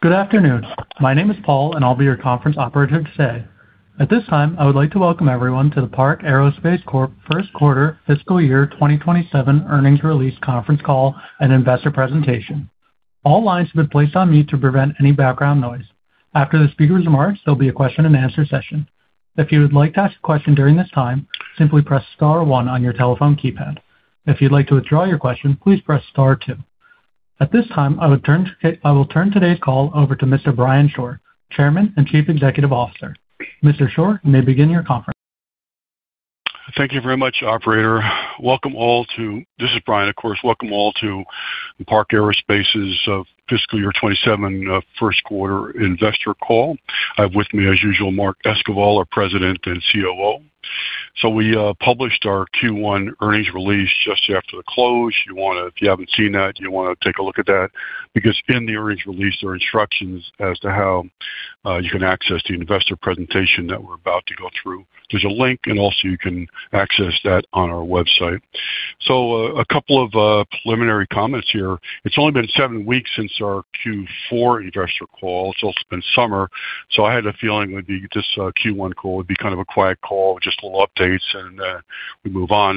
Good afternoon. My name is Paul, and I'll be your conference operator today. At this time, I would like to welcome everyone to the Park Aerospace Corp First Quarter Fiscal Year 2027 Earnings Release Conference Call and Investor Presentation. All lines have been placed on mute to prevent any background noise. After the speaker's remarks, there'll be a question and answer session. If you would like to ask a question during this time, simply press star one on your telephone keypad. If you'd like to withdraw your question, please press star two. At this time, I will turn today's call over to Mr. Brian Shore, Chairman and Chief Executive Officer. Mr. Shore, you may begin your conference. Thank you very much, operator. This is Brian, of course. Welcome all to Park Aerospace's Fiscal Year 2027, first quarter investor call. I have with me, as usual, Mark Esquivel, our President and COO. We published our Q1 earnings release just after the close. If you haven't seen that, you'll want to take a look at that, because in the earnings release, there are instructions as to how you can access the investor presentation that we're about to go through. There's a link, and also you can access that on our website. A couple of preliminary comments here. It's only been seven weeks since our Q4 investor call. It's also been summer, I had a feeling this Q1 call would be kind of a quiet call with just little updates, and we move on.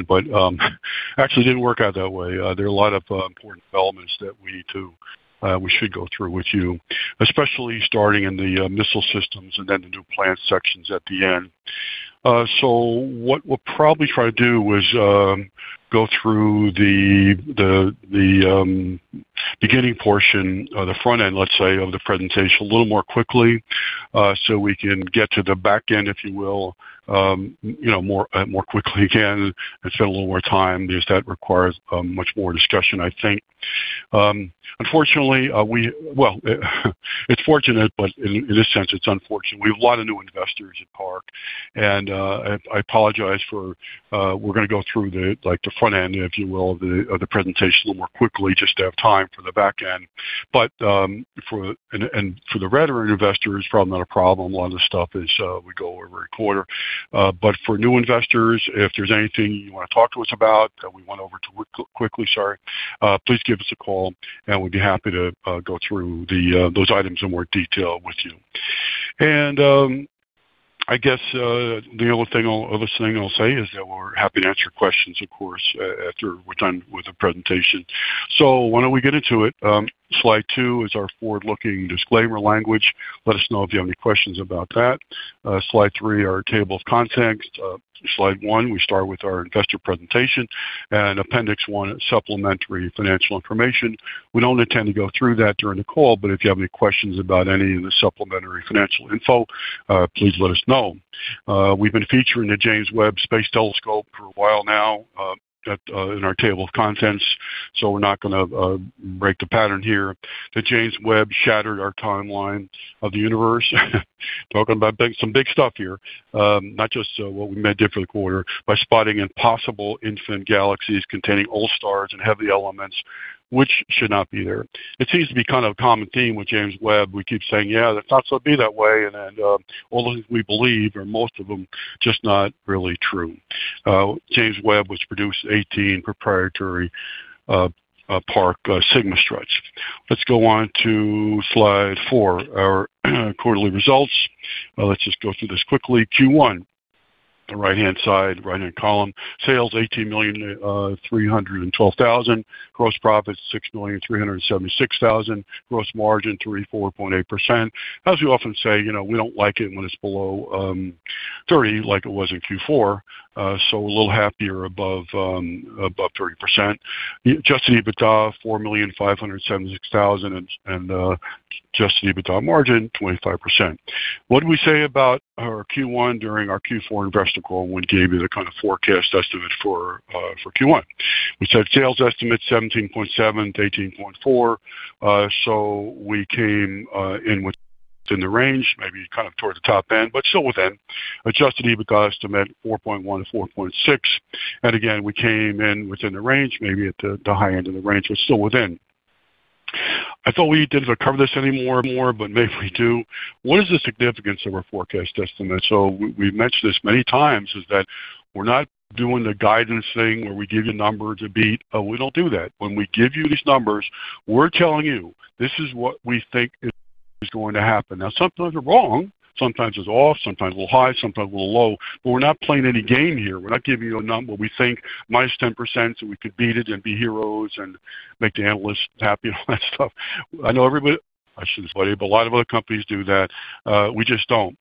Actually, it didn't work out that way. There are a lot of important developments that we should go through with you, especially starting in the missile systems and then the new plant sections at the end. What we'll probably try to do is, go through the beginning portion or the front end, let's say, of the presentation, a little more quickly, so we can get to the back end, if you will, more quickly, again, and spend a little more time. That requires much more discussion, I think. It's fortunate, but in this sense, it's unfortunate. We have a lot of new investors at Park, and I apologize for, we're going to go through the front end, if you will, of the presentation a little more quickly just to have time for the back end. For the veteran investors, probably not a problem. A lot of this stuff we go over every quarter. For new investors, if there's anything you want to talk to us about that we went over too quickly, sorry. Please give us a call and we'd be happy to go through those items in more detail with you. I guess, the other thing I'll say is that we're happy to answer questions, of course, after we're done with the presentation. Why don't we get into it? Slide two is our forward-looking disclaimer language. Let us know if you have any questions about that. Slide three, our table of contents. Slide one, we start with our investor presentation, and appendix one, supplementary financial information. We don't intend to go through that during the call, but if you have any questions about any of the supplementary financial info, please let us know. We've been featuring the James Webb Space Telescope for a while now, in our table of contents. We're not going to break the pattern here. The James Webb shattered our timeline of the universe, talking about some big stuff here. Not just what we meant for the quarter, by spotting impossible infant galaxies containing old stars and heavy elements which should not be there. It seems to be kind of a common theme with James Webb. We keep saying, "Yeah, we thought so it'd be that way." All the things we believe, or most of them, just not really true. James Webb, which produced 18 proprietary Park SigmaStruts. Let's go on to slide four, our quarterly results. Let's just go through this quickly. Q1, the right-hand side, right-hand column. Sales, $18,312,000. Gross profits, $6,376,000. Gross margin, 34.8%. As we often say, we don't like it when it's below 30%, like it was in Q4. A little happier above 30%. Adjusted EBITDA, $4,576,000, and adjusted EBITDA margin, 25%. What did we say about our Q1 during our Q4 investor call when we gave you the kind of forecast estimate for Q1? We said sales estimate $17.7 million-$18.4 million. We came in within the range, maybe kind of towards the top end, but still within. Adjusted EBITDA estimate, $4.1 million-$4.6 million. Again, we came in within the range, maybe at the high end of the range. It was still within. I thought we didn't have to cover this anymore, but maybe we do. What is the significance of our forecast estimate? We've mentioned this many times, is that we're not doing the guidance thing where we give you a number to beat. We don't do that. When we give you these numbers, we're telling you, this is what we think is going to happen. Sometimes we're wrong. Sometimes it's off, sometimes a little high, sometimes a little low. We're not playing any game here. We're not giving you a number we think minus 10%, so we could beat it and be heroes and make the analysts happy and all that stuff. I know everybody, I shouldn't say, but a lot of other companies do that. We just don't.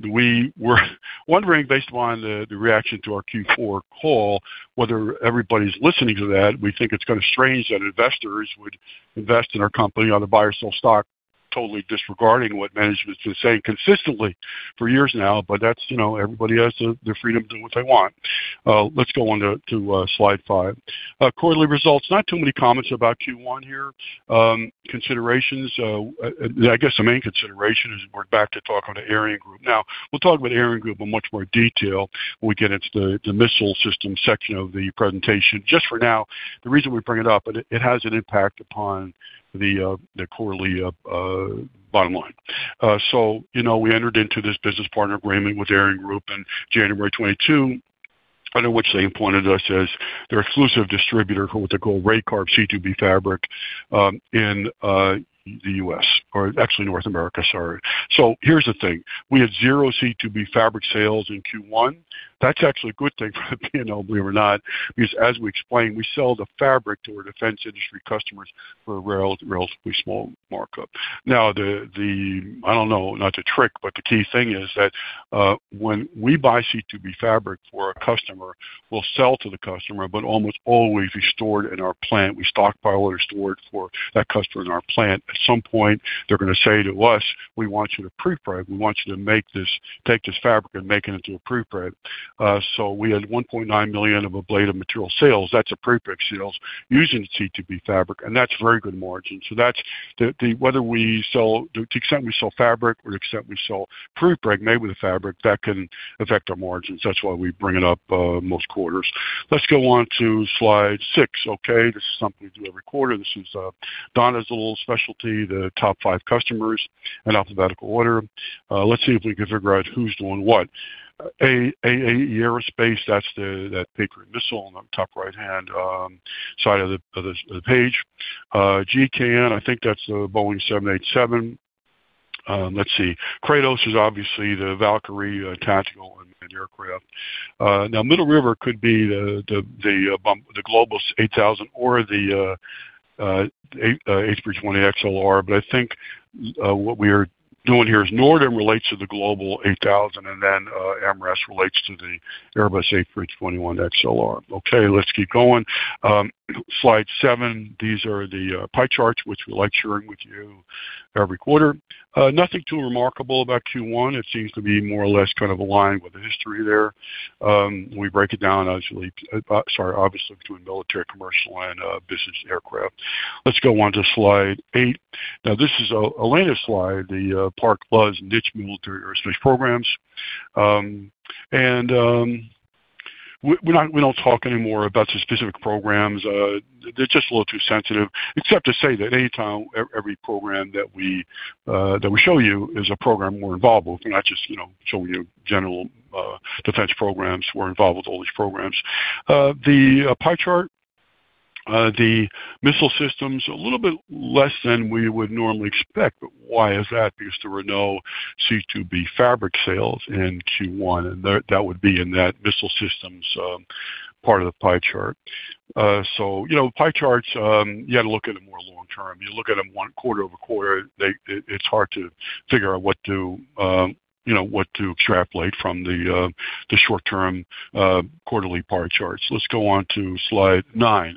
We were wondering, based upon the reaction to our Q4 call, whether everybody's listening to that. We think it's kind of strange that investors would invest in our company or they buy or sell stock, totally disregarding what management has been saying consistently for years now. Everybody has their freedom to do what they want. Let's go on to slide five. Quarterly results. Not too many comments about Q1 here. Considerations. I guess the main consideration is we're back to talking to ArianeGroup. We'll talk about ArianeGroup in much more detail when we get into the missile systems section of the presentation. Just for now, the reason we bring it up, it has an impact upon the quarterly bottom line. We entered into this business partner agreement with ArianeGroup in January 2022. Under which they appointed us as their exclusive distributor with the Raycarb C2B fabric in the U.S., or actually North America, sorry. Here's the thing. We had zero C2B fabric sales in Q1. That's actually a good thing, believe it or not, because as we explained, we sell the fabric to our defense industry customers for a relatively small markup. I don't know, not to trick, but the key thing is that when we buy C2B fabric for a customer, we'll sell to the customer, but almost always we store it in our plant. We stock, buy, order, store it for that customer in our plant. At some point, they're going to say to us, "We want you to pre-preg. We want you to take this fabric and make it into a pre-preg." We had $1.9 million of ablative material sales. That's a pre-preg sales using the C2B fabric, and that's very good margin. To the extent we sell fabric, or the extent we sell pre-preg made with the fabric, that can affect our margins. That's why we bring it up most quarters. Let's go on to slide six. This is something we do every quarter. This is Donna's little specialty, the top five customers in alphabetical order. Let's see if we can figure out who's doing what. AE Aerospace, that Patriot missile on the top right-hand side of the page. GKN, I think that's the Boeing 787. Kratos is obviously the Valkyrie tactical and aircraft. Middle River could be the Global 8000 or the A320XLR, but I think what we are doing here is Nordam relates to the Global 8000, and AMRES relates to the Airbus A321XLR. Let's keep going. Slide seven, these are the pie charts, which we like sharing with you every quarter. Nothing too remarkable about Q1. It seems to be more or less kind of aligned with the history there. We break it down, obviously, between military, commercial, and business aircraft. Let's go on to slide eight. This is Elena's slide, the Park Plus Niche Military Aerospace Programs. We don't talk anymore about the specific programs. They're just a little too sensitive, except to say that every program that we show you is a program we're involved with. We're not just showing you general defense programs. We're involved with all these programs. The pie chart, the missile systems, a little bit less than we would normally expect. Why is that? Because there were no C2B fabric sales in Q1, and that would be in that missile systems part of the pie chart. Pie charts, you got to look at them more long-term. You look at them one quarter over quarter, it's hard to figure out what to extrapolate from the short-term quarterly pie charts. Let's go on to slide nine.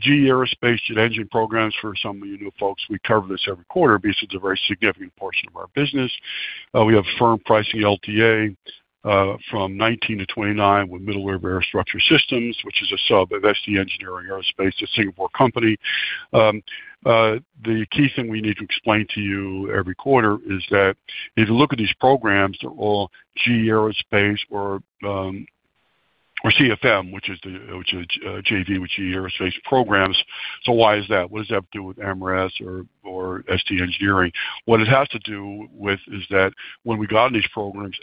GE Aerospace jet engine programs for some of you new folks. We cover this every quarter because it's a very significant portion of our business. We have firm pricing LTA from 2019 to 2029 with Middle River Aerostructure Systems, which is a sub of ST Engineering Aerospace, a Singapore company. The key thing we need to explain to you every quarter is that if you look at these programs, they're all GE Aerospace or CFM, which is a JV with GE Aerospace programs. Why is that? What does that have to do with AMRES or ST Engineering? What it has to do with is that when we got in these programs,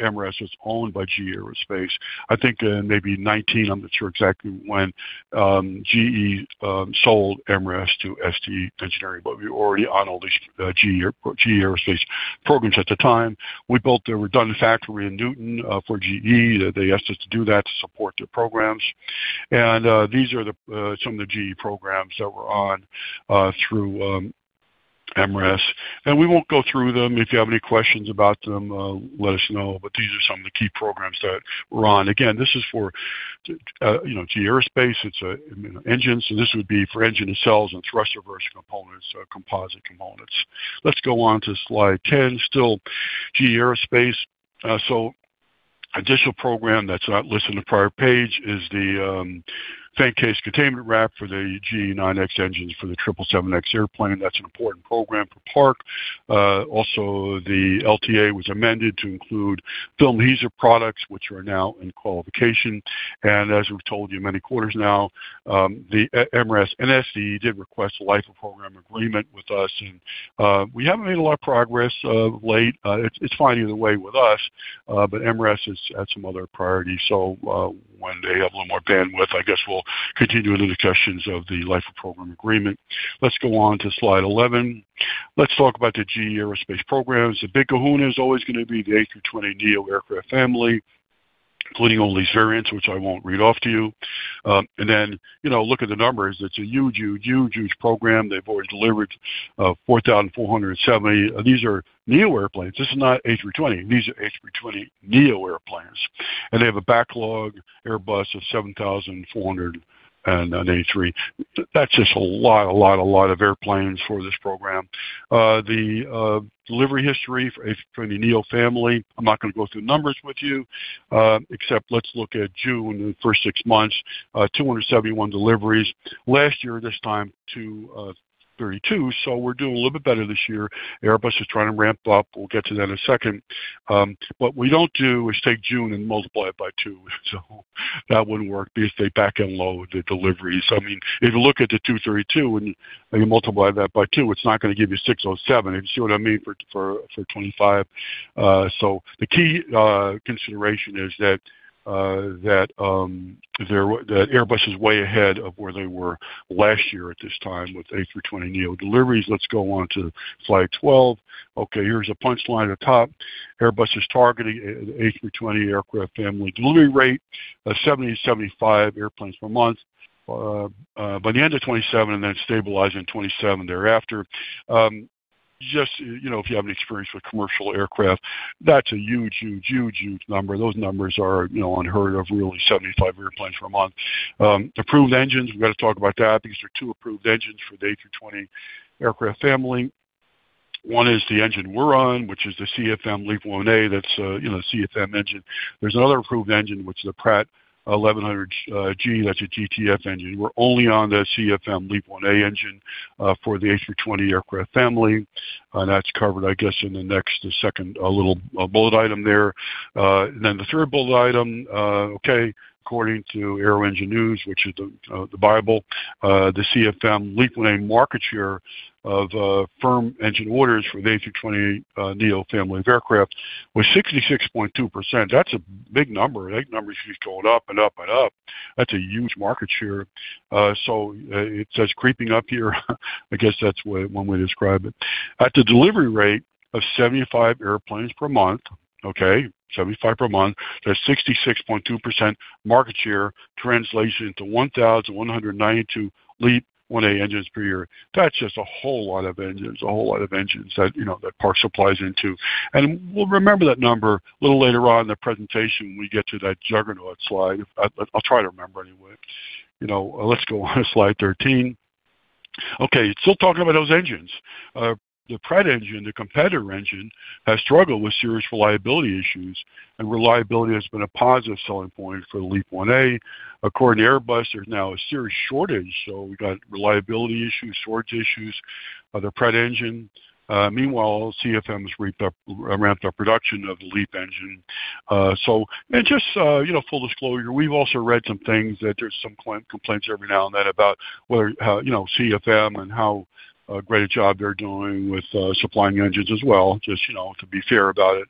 AMRES was owned by GE Aerospace, I think in maybe 2019. I'm not sure exactly when GE sold AMRES to ST Engineering, but we were already on all these GE Aerospace programs at the time. We built the redundant factory in Newton for GE. They asked us to do that to support their programs. These are some of the GE programs that were on through AMRES. We won't go through them. If you have any questions about them, let us know. These are some of the key programs that were on. Again, this is for GE Aerospace. It's engines, and this would be for engine nacelles and thrust reverser components, composite components. Let's go on to slide 10, still GE Aerospace. Additional program that's not listed on the prior page is the fan case containment wrap for the GE9X engines for the 777X airplane, and that's an important program for Park. Also, the LTA was amended to include film adhesive products, which are now in qualification. As we've told you many quarters now, the AMRES NSC did request a liftoff program agreement with us, and we haven't made a lot of progress of late. It's fine either way with us. AMRES has had some other priorities. When they have a little more bandwidth, I guess we'll continue with the discussions of the liftoff program agreement. Let's go on to slide 11. Let's talk about the GE Aerospace programs. The big kahuna is always going to be the A320neo aircraft family, including all these variants, which I won't read off to you. Look at the numbers. It's a huge, huge, huge, huge program. They've already delivered 4,470. These are neo airplanes. This is not A320. These are A320neo airplanes, and they have a backlog Airbus of 7,483. That's just a lot, a lot, a lot of airplanes for this program. The delivery history for A320neo family. I'm not going to go through numbers with you, except let's look at June and the first six months, 271 deliveries. Last year, this time, 232, we're doing a little bit better this year. Airbus is trying to ramp up. We'll get to that in a second. What we don't do is take June and multiply it by two. That wouldn't work because they back-end load the deliveries. If you look at the 232 and you multiply that by two, it's not going to give you 607. You see what I mean, for 25? The key consideration is that Airbus is way ahead of where they were last year at this time with A320neo deliveries. Let's go on to slide 12. Okay, here's a punch line at the top. Airbus is targeting A320 aircraft family delivery rate of 70-75 airplanes per month by the end of 2027, and then stabilizing in 2027 thereafter. Just, if you have any experience with commercial aircraft, that's a huge, huge, huge, huge number. Those numbers are unheard of, really, 75 airplanes per month. Approved engines, we've got to talk about that. These are two approved engines for the A320 aircraft family. One is the engine we're on, which is the CFM LEAP-1A, that's a CFM engine. There's another approved engine, which is a Pratt & Whitney PW1100G, that's a GTF engine. We're only on the CFM LEAP-1A engine for the A320 aircraft family. That's covered, I guess, in the next, the second little bullet item there. The third bullet item, okay, according to Aero Engine News, which is the bible, the CFM LEAP-1A market share of firm engine orders for the A320neo family of aircraft was 66.2%. That's a big number. That number just goes up and up and up. That's a huge market share. It says creeping up here, I guess that's one way to describe it. At the delivery rate of 75 airplanes per month, okay, 75 per month, that 66.2% market share translates into 1,192 LEAP-1A engines per year. That's just a whole lot of engines, a whole lot of engines that Park supplies into. We'll remember that number a little later on in the presentation when we get to that juggernaut slide. I'll try to remember anyway. Let's go on to slide 13. Still talking about those engines. The Pratt engine, the competitor engine, has struggled with serious reliability issues, and reliability has been a positive selling point for the LEAP-1A. According to Airbus, there's now a serious shortage. We got reliability issues, shortage issues of the Pratt engine. Meanwhile, CFM has ramped up production of the LEAP engine. Just full disclosure, we've also read some things that there's some complaints every now and then about CFM and how a great job they're doing with supplying engines as well, just to be fair about it.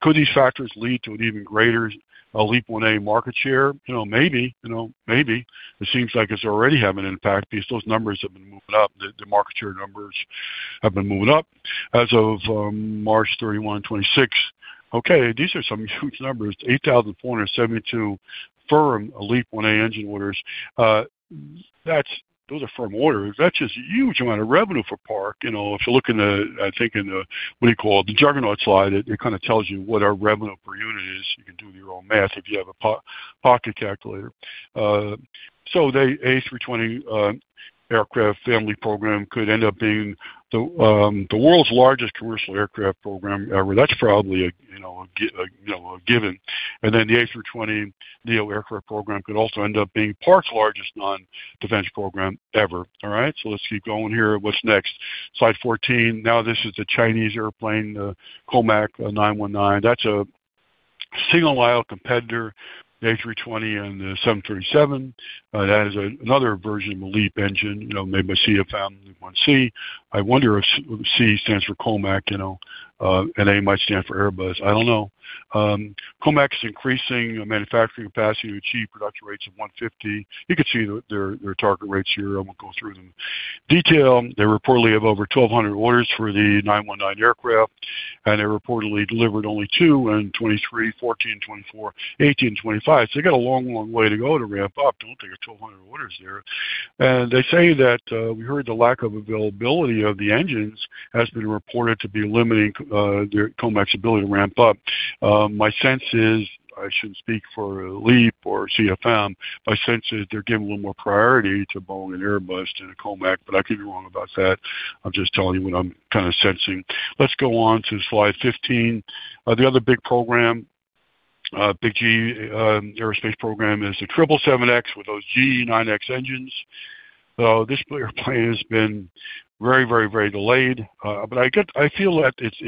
Could these factors lead to an even greater LEAP-1A market share? Maybe. Maybe. It seems like it's already having an impact because those numbers have been moving up. The market share numbers have been moving up as of March 3126. These are some huge numbers. 8,472 firm LEAP-1A engine orders. Those are firm orders. That's just a huge amount of revenue for Park. If you look in the juggernaut slide, it kind of tells you what our revenue per unit is. You can do your own math if you have a pocket calculator. The A320 aircraft family program could end up being the world's largest commercial aircraft program ever. That's probably a given. The A320neo aircraft program could also end up being Park's largest non-defense program ever. All right, let's keep going here. What's next? Slide 14. This is the Chinese airplane, the COMAC 919. That's a single-aisle competitor, the A320 and the 737. That is another version of the LEAP engine, made by CFM LEAP-1C. I wonder if C stands for COMAC, and A might stand for Airbus. I don't know. COMAC is increasing manufacturing capacity to achieve production rates of 150. You can see their target rates here. I won't go through them in detail. They reportedly have over 1,200 orders for the 919 aircraft, and they reportedly delivered only two in 2023, 14 in 2024, 18 in 2025. They got a long, long way to go to ramp up. Don't take your 1,200 orders there. They say that we heard the lack of availability of the engines has been reported to be limiting COMAC's ability to ramp up. My sense is, I shouldn't speak for LEAP or CFM, my sense is they're giving a little more priority to Boeing and Airbus than to COMAC, but I could be wrong about that. I'm just telling you what I'm kind of sensing. Let's go on to slide 15. The other big GE Aerospace program is the 777X with those GE9X engines. This airplane has been very, very, very delayed. I feel that it's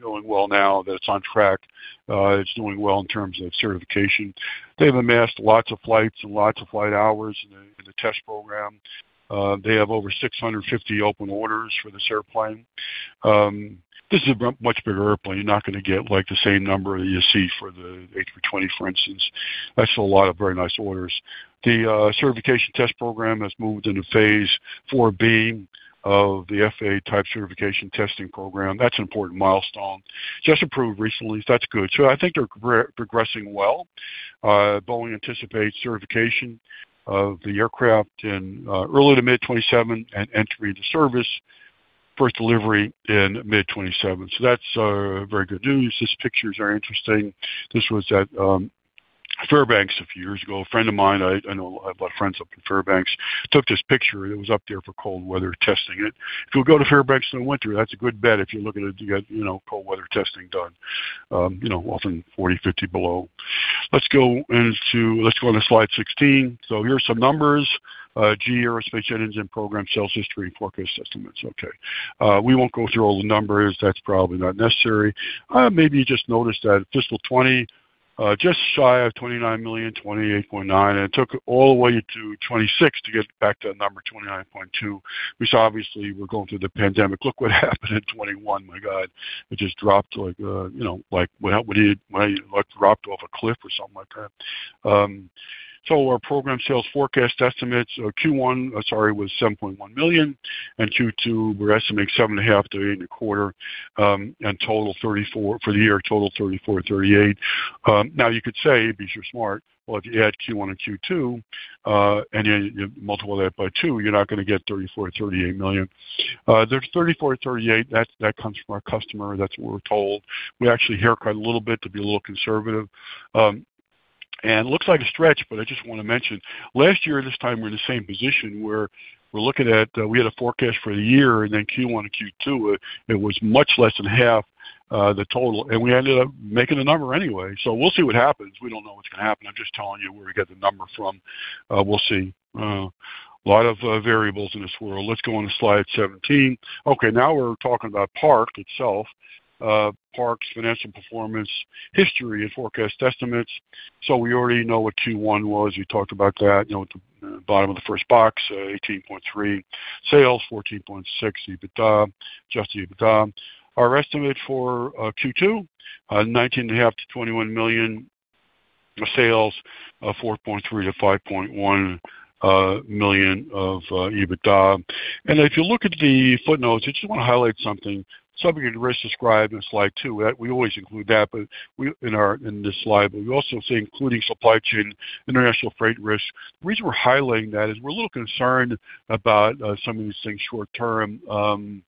going well now, that it's on track. It's doing well in terms of certification. They've amassed lots of flights and lots of flight hours in the test program. They have over 650 open orders for this airplane. This is a much bigger airplane. You're not going to get the same number that you see for the A320, for instance. That's a lot of very nice orders. The certification test program has moved into phase 4B of the FAA type certification testing program. That's an important milestone. Just approved recently, that's good. I think they're progressing well. Boeing anticipates certification of the aircraft in early to mid 2027 and entry into service, first delivery in mid 2027. That's very good news. These pictures are interesting. This was at Fairbanks a few years ago. A friend of mine, I know a lot of friends up in Fairbanks, took this picture. It was up there for cold weather testing. If you go to Fairbanks in the winter, that's a good bet if you're looking to get cold weather testing done. Often 40, 50 below. Let's go into slide 16. Here are some numbers. GE Aerospace Engine Program sales history and forecast estimates. Okay. We won't go through all the numbers. That's probably not necessary. Maybe you just noticed that fiscal 2020, just shy of $29 million, $28.9 million. It took all the way to 2026 to get back to that number, $29.2 million. Which obviously, we're going through the pandemic. Look what happened in 2021, my God, it just dropped off a cliff or something like that. Our program sales forecast estimates are Q1, sorry, was $7.1 million. Q2, we're estimating $7.5 million-$8.25 million. For the year total, $34 million-$38 million. You could say, because you're smart, well, if you add Q1 and Q2, then you multiply that by two, you're not going to get $34 million-$38 million. There's $34 million-$38 million, that comes from our customer. That's what we're told. We actually haircut a little bit to be a little conservative. It looks like a stretch, but I just want to mention, last year this time we were in the same position where we had a forecast for the year, then Q1 and Q2, it was much less than half the total, and we ended up making the number anyway. We'll see what happens. We don't know what's going to happen. I'm just telling you where we got the number from. We'll see. A lot of variables in this world. Let's go on to slide 17. Okay, now we're talking about Park itself. Park's financial performance history and forecast estimates. We already know what Q1 was. We talked about that, at the bottom of the first box, $18.3 million sales, $14.6 million EBITDA, adjusted EBITDA. Our estimate for Q2, $19.5 million-$21 million sales, $4.3 million-$5.1 million of EBITDA. If you look at the footnotes, I just want to highlight something. Subject to risks described in slide two. We always include that in this slide, but we also say including supply chain, international freight risk. The reason we're highlighting that is we're a little concerned about some of these things short term, and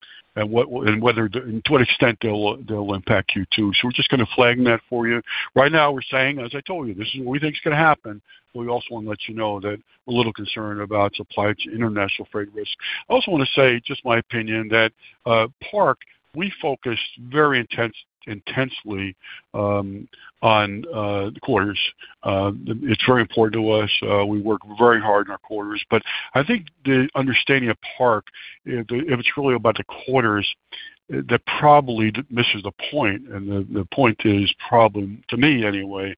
to what extent they'll impact Q2. We're just going to flag that for you. Right now we're saying, as I told you, this is what we think is going to happen. We also want to let you know that we're a little concerned about supply to international freight risk. I also want to say, just my opinion, that Park, we focus very intensely on the quarters. It's very important to us. We work very hard on our quarters. I think the understanding of Park, if it's really about the quarters, that probably misses the point. The point is probably, to me anyway,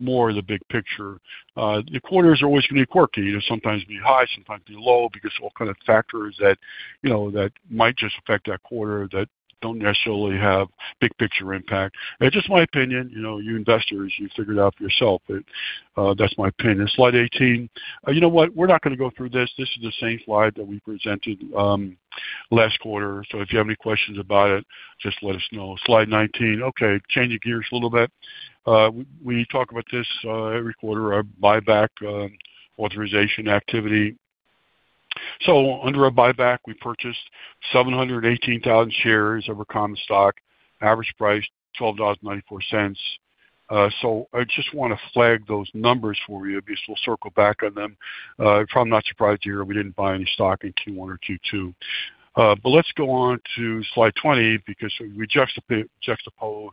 more the big picture. The quarters are always going to be quirky. They'll sometimes be high, sometimes be low, because all kind of factors that might just affect that quarter, that don't necessarily have big picture impact. Just my opinion, you investors, you figure it out for yourself. That's my opinion. Slide 18. You know what? We're not going to go through this. This is the same slide that we presented last quarter. If you have any questions about it, just let us know. Slide 19. Okay, changing gears a little bit. We talk about this every quarter, our buyback authorization activity. Under our buyback, we purchased 718,000 shares of our common stock, average price $12.94. I just want to flag those numbers for you because we'll circle back on them. You're probably not surprised to hear we didn't buy any stock in Q1 or Q2. Let's go on to slide 20, because we juxtapose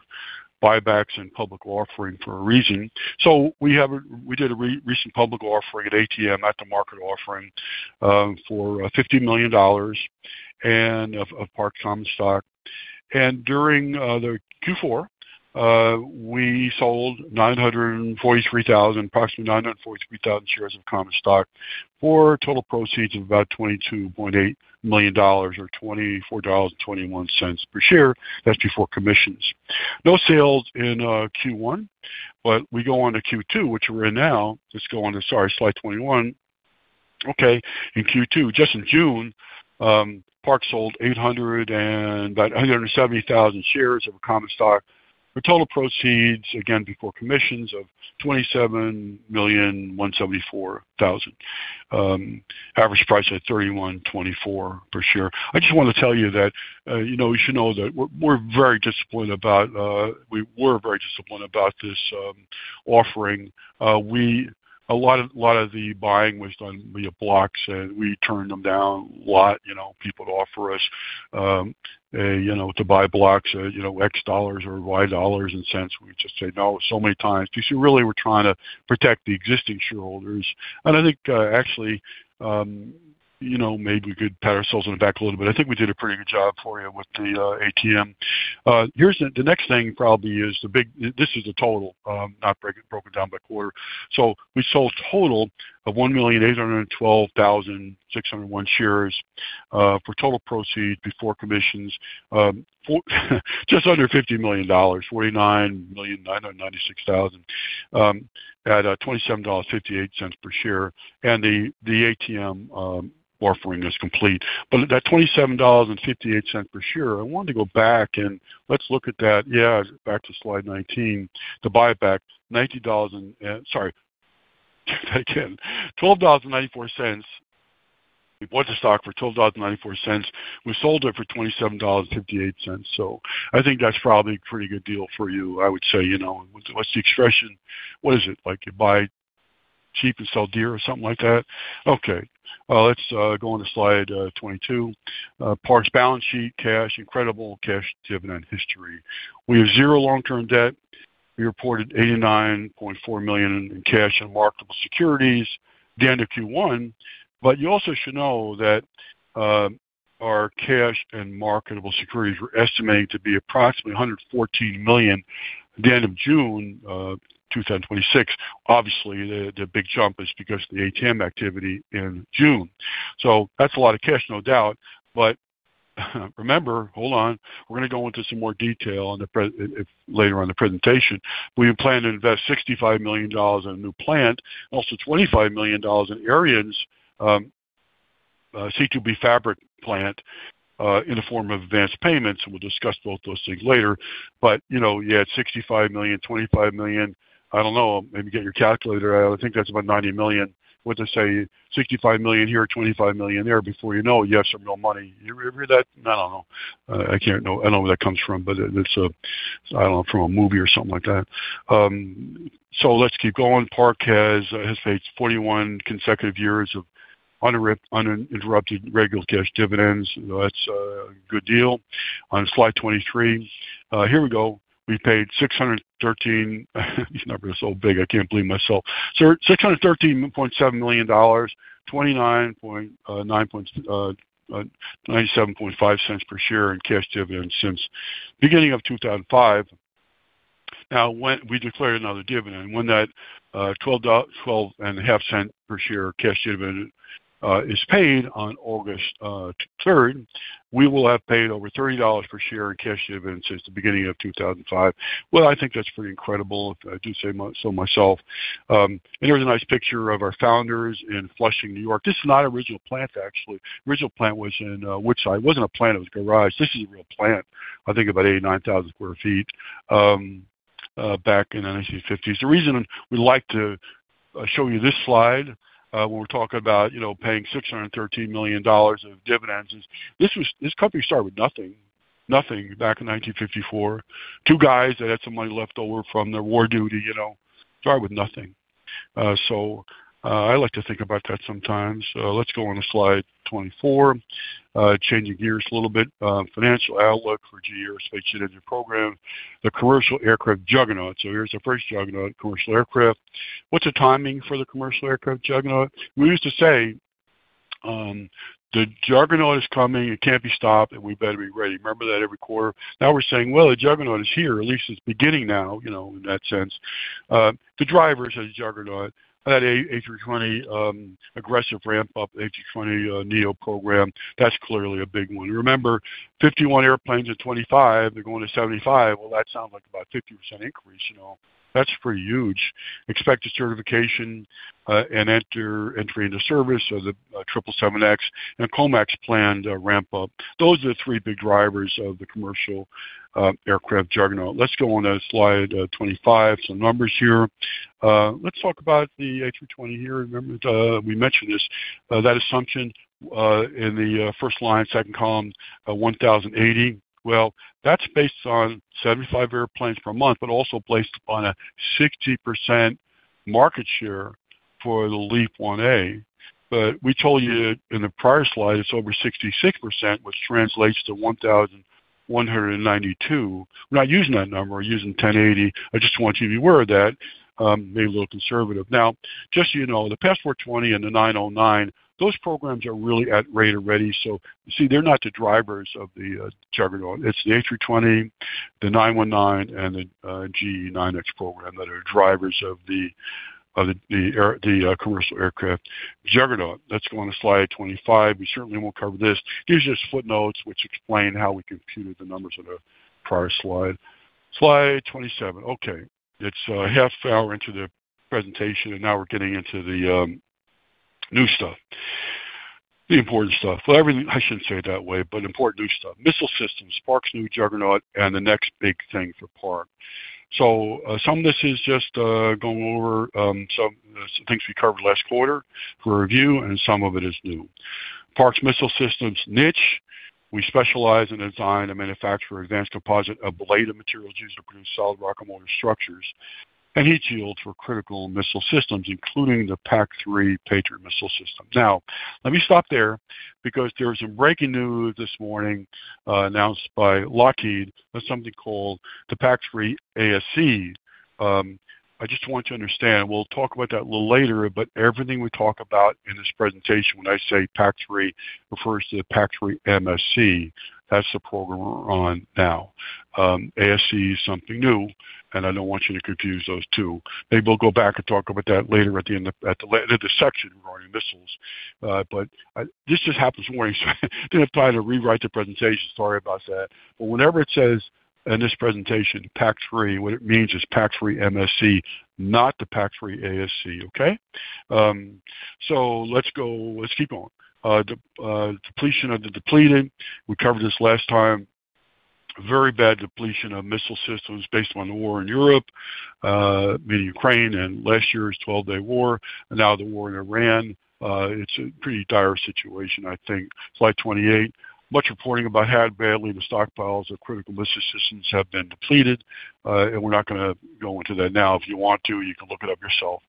buybacks and public offering for a reason. We did a recent public offering, an ATM, at the market offering, for $50 million of Park common stock. During the Q4, we sold approximately 943,000 shares of common stock for total proceeds of about $22.8 million, or $24.21 per share. That's before commissions. No sales in Q1, we go on to Q2, which we're in now. Let's go on to, sorry, slide 21. Okay. In Q2, just in June, Park sold 870,000 shares of common stock for total proceeds, again, before commissions, of $27,174,000. Average price at $31.24 per share. I just want to tell you that, you should know that we're very disciplined about this offering. A lot of the buying was done via blocks, and we turned them down a lot. People would offer us to buy blocks, X dollars or Y dollars and cents. We would just say no so many times. Really, we're trying to protect the existing shareholders. I think, actually, maybe we could pat ourselves on the back a little bit. I think we did a pretty good job for you with the ATM. This is the total, not broken down by quarter. We sold a total of 1,812,601 shares for total proceeds, before commissions, just under $50 million, $49,996,000 at $27.58 per share. The ATM offering is complete. That $27.58 per share, I wanted to go back and let's look at that. Back to slide 19, the buyback. Sorry. Try again. $12.94. We bought the stock for $12.94. We sold it for $27.58. I think that's probably a pretty good deal for you, I would say. What's the expression? What is it? Like you buy cheap and sell dear or something like that? Let's go on to slide 22. Park's balance sheet, cash, incredible cash dividend history. We have zero long-term debt. We reported $89.4 million in cash and marketable securities at the end of Q1. You also should know that our cash and marketable securities were estimated to be approximately $114 million at the end of June 2026. Obviously, the big jump is because of the ATM activity in June. That's a lot of cash, no doubt. Remember, hold on, we're going to go into some more detail later on in the presentation. We plan to invest $65 million on a new plant, also $25 million in ArianeGroup's C2B fabric plant in the form of advanced payments, and we'll discuss both those things later. You had $65 million, $25 million. I don't know, maybe get your calculator out. I think that's about $90 million. What did I say? 65 million here, 25 million there. Before you know it, you have some real money. You ever hear that? I don't know. I don't know where that comes from, but it's, I don't know, from a movie or something like that. Let's keep going. Park has, I should say, it's 41 consecutive years of uninterrupted regular cash dividends. That's a good deal. On slide 23, here we go. $613.7 million, $0.29975 per share in cash dividends since the beginning of 2005. We declared another dividend. When that $0.125 per share cash dividend is paid on August 3rd, we will have paid over $30 per share in cash dividends since the beginning of 2005. I think that's pretty incredible, if I do say so myself. Here's a nice picture of our founders in Flushing, New York. This is not our original plant, actually. The original plant was in Woodside. It wasn't a plant, it was a garage. This is a real plant, I think about 89,000 sq ft, back in the 1950s. The reason we like to show you this slide when we're talking about paying $613 million of dividends is this company started with nothing back in 1954. Two guys that had some money left over from their war duty, started with nothing. I like to think about that sometimes. Let's go on to slide 24. Changing gears a little bit. Financial outlook for GE Aerospace Strategic Program, the commercial aircraft juggernaut. Here's the first juggernaut, commercial aircraft. What's the timing for the commercial aircraft juggernaut? We used to say, "The juggernaut is coming, it can't be stopped, and we better be ready." Remember that every quarter? We're saying, the juggernaut is here, or at least it's beginning now, in that sense. The drivers of the juggernaut, that A320 aggressive ramp-up, A320neo program, that's clearly a big one. Remember, 51 airplanes at 25, they're going to 75. That sounds like about a 50% increase. That's pretty huge. Expected certification, and entry into service of the 777X, and COMAC's planned ramp-up. Those are the three big drivers of the commercial aircraft juggernaut. Let's go on to slide 25, some numbers here. Let's talk about the A320 here. Remember, we mentioned this, that assumption in the first line, second column, 1,080. Well, that's based on 75 airplanes per month, but also based upon a 60% market share for the LEAP-1A. We told you in the prior slide, it's over 66%, which translates to 1,192. We're not using that number. We're using 1,080. I just want you to be aware of that. Maybe a little conservative. Just so you know, the PAS420 and the 909, those programs are really at rate or ready. You see, they're not the drivers of the juggernaut. It's the A320, the C919, and the GE9X program that are drivers of the commercial aircraft juggernaut. Let's go on to slide 25. We certainly won't cover this. These are just footnotes which explain how we computed the numbers on the prior slide. Slide 27. Okay. It's a half hour into the presentation. Now we're getting into the new stuff, the important stuff. I shouldn't say it that way, important new stuff. Missile Systems, Park's new juggernaut, and the next big thing for Park. Some of this is just going over some things we covered last quarter for review, and some of it is new. Park's Missile Systems niche. We specialize in design and manufacture advanced composite ablative materials used to produce solid rocket motor structures and heat shields for critical missile systems, including the PAC-3 Patriot missile system. Let me stop there because there was some breaking news this morning, announced by Lockheed, of something called the PAC-3 ASE. I just want you to understand, we'll talk about that a little later. Everything we talk about in this presentation, when I say PAC-3, refers to the PAC-3 MSE. That's the program we're on now. ASE is something new. I don't want you to confuse those two. Maybe we'll go back and talk about that later at the end of the section regarding missiles. This just happened this morning, I didn't have time to rewrite the presentation. Sorry about that. Whenever it says in this presentation, PAC-3, what it means is PAC-3 MSE, not the PAC-3 ASE, okay? Let's keep going. Depletion of the depleted. We covered this last time. Very bad depletion of missile systems based on the war in Europe, meaning Ukraine, last year's 12-day war, and now the war in Iran. It's a pretty dire situation, I think. Slide 28. Much reporting about how badly the stockpiles of critical missile systems have been depleted. We're not going to go into that now. If you want to, you can look it up yourself.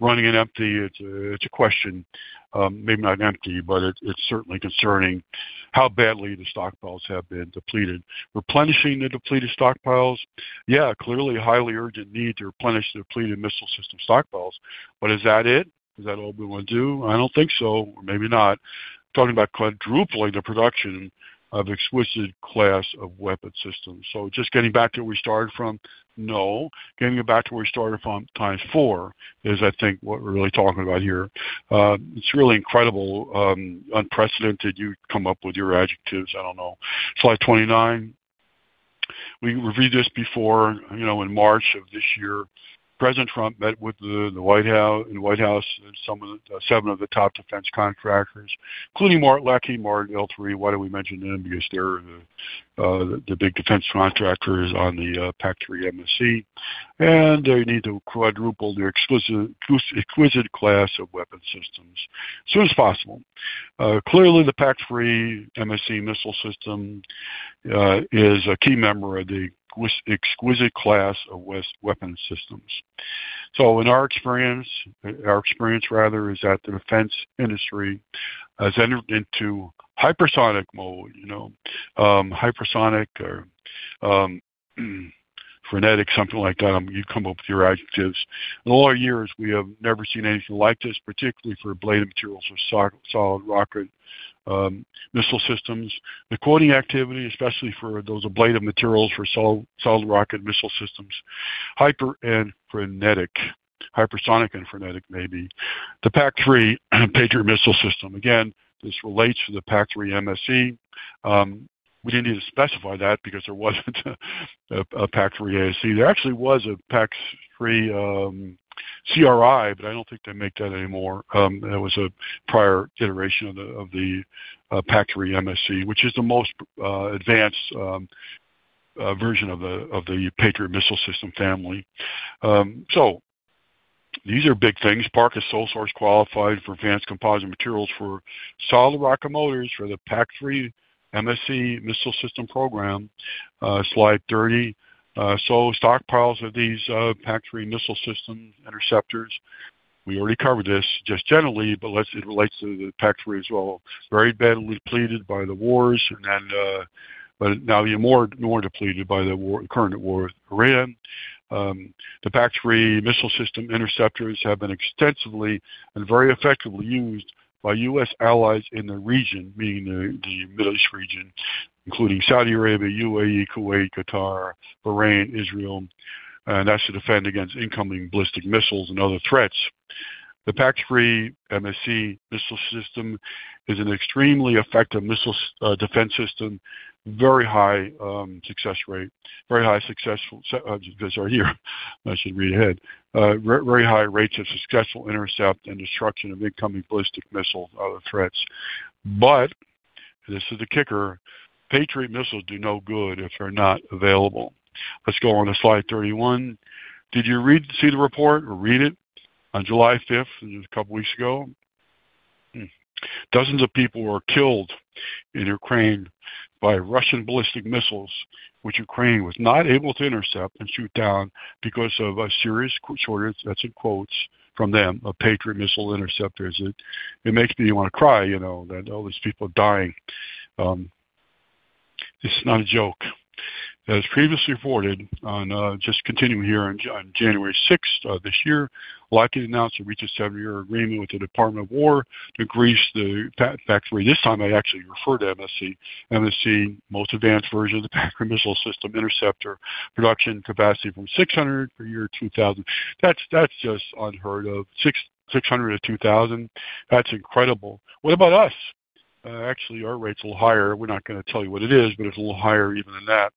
Running it empty, it's a question. Maybe not empty, it's certainly concerning. How badly the stockpiles have been depleted. Replenishing the depleted stockpiles. Clearly a highly urgent need to replenish depleted missile system stockpiles. Is that it? Is that all we want to do? I don't think so, or maybe not. Talking about quadrupling the production of exquisite class of weapon systems. Just getting back to where we started from? No. Getting back to where we started from times four is, I think, what we're really talking about here. It's really incredible, unprecedented. You come up with your adjectives, I don't know. Slide 29. We reviewed this before, in March of this year. President Trump met with, in the White House, seven of the top defense contractors, including Lockheed Martin, L3. Why do we mention them? Because they're the big defense contractors on the PAC-3 MSE, and they need to quadruple their exquisite class of weapon systems as soon as possible. Clearly, the PAC-3 MSE missile system is a key member of the exquisite class of weapon systems. In our experience, our experience rather is that the defense industry has entered into hypersonic mode. Hypersonic or frenetic, something like that. You come up with your adjectives. In all our years, we have never seen anything like this, particularly for ablative materials for solid rocket missile systems. The quoting activity, especially for those ablative materials for solid rocket missile systems, hyper and frenetic. Hypersonic and frenetic, maybe. The PAC-3 Patriot missile system. Again, this relates to the PAC-3 MSE. We didn't need to specify that because there wasn't a PAC-3 ASE. There actually was a PAC-3 CRI, but I don't think they make that anymore. It was a prior generation of the PAC-3 MSE, which is the most advanced version of the Patriot missile system family. These are big things. Park is sole source qualified for advanced composite materials for solid rocket motors for the PAC-3 MSE missile system program. Slide 30. Stockpiles of these PAC-3 missile system interceptors. We already covered this just generally, but let's it relates to the PAC-3 as well. Very badly depleted by the wars, but now even more depleted by the current war with Iran. The PAC-3 missile system interceptors have been extensively and very effectively used by U.S. allies in the region, meaning the Middle East region, including Saudi Arabia, UAE, Kuwait, Qatar, Bahrain, Israel, and that's to defend against incoming ballistic missiles and other threats. The PAC-3 MSE missile system is an extremely effective missile defense system. Very high success rate. Those are here. I should read ahead. Very high rates of successful intercept and destruction of incoming ballistic missiles and other threats. This is the kicker, Patriot missiles do no good if they're not available. Let's go on to slide 31. Did you read, see the report or read it on July 5th? It was a couple of weeks ago. Dozens of people were killed in Ukraine by Russian ballistic missiles, which Ukraine was not able to intercept and shoot down because of a serious shortage, that's in quotes from them, of Patriot missile interceptors. It makes me want to cry, that all these people are dying. This is not a joke. As previously reported on, just continuing here, on January 6th this year, Lockheed announced it reached a seven-year agreement with the Department of Defense to increase the factory. This time, I actually refer to MSE. MSE, most advanced version of the Patriot missile system interceptor production capacity from 600 per year to 2,000. That's just unheard of. 600 to 2,000. That's incredible. What about us? Actually, our rate's a little higher. We're not going to tell you what it is, but it's a little higher even than that.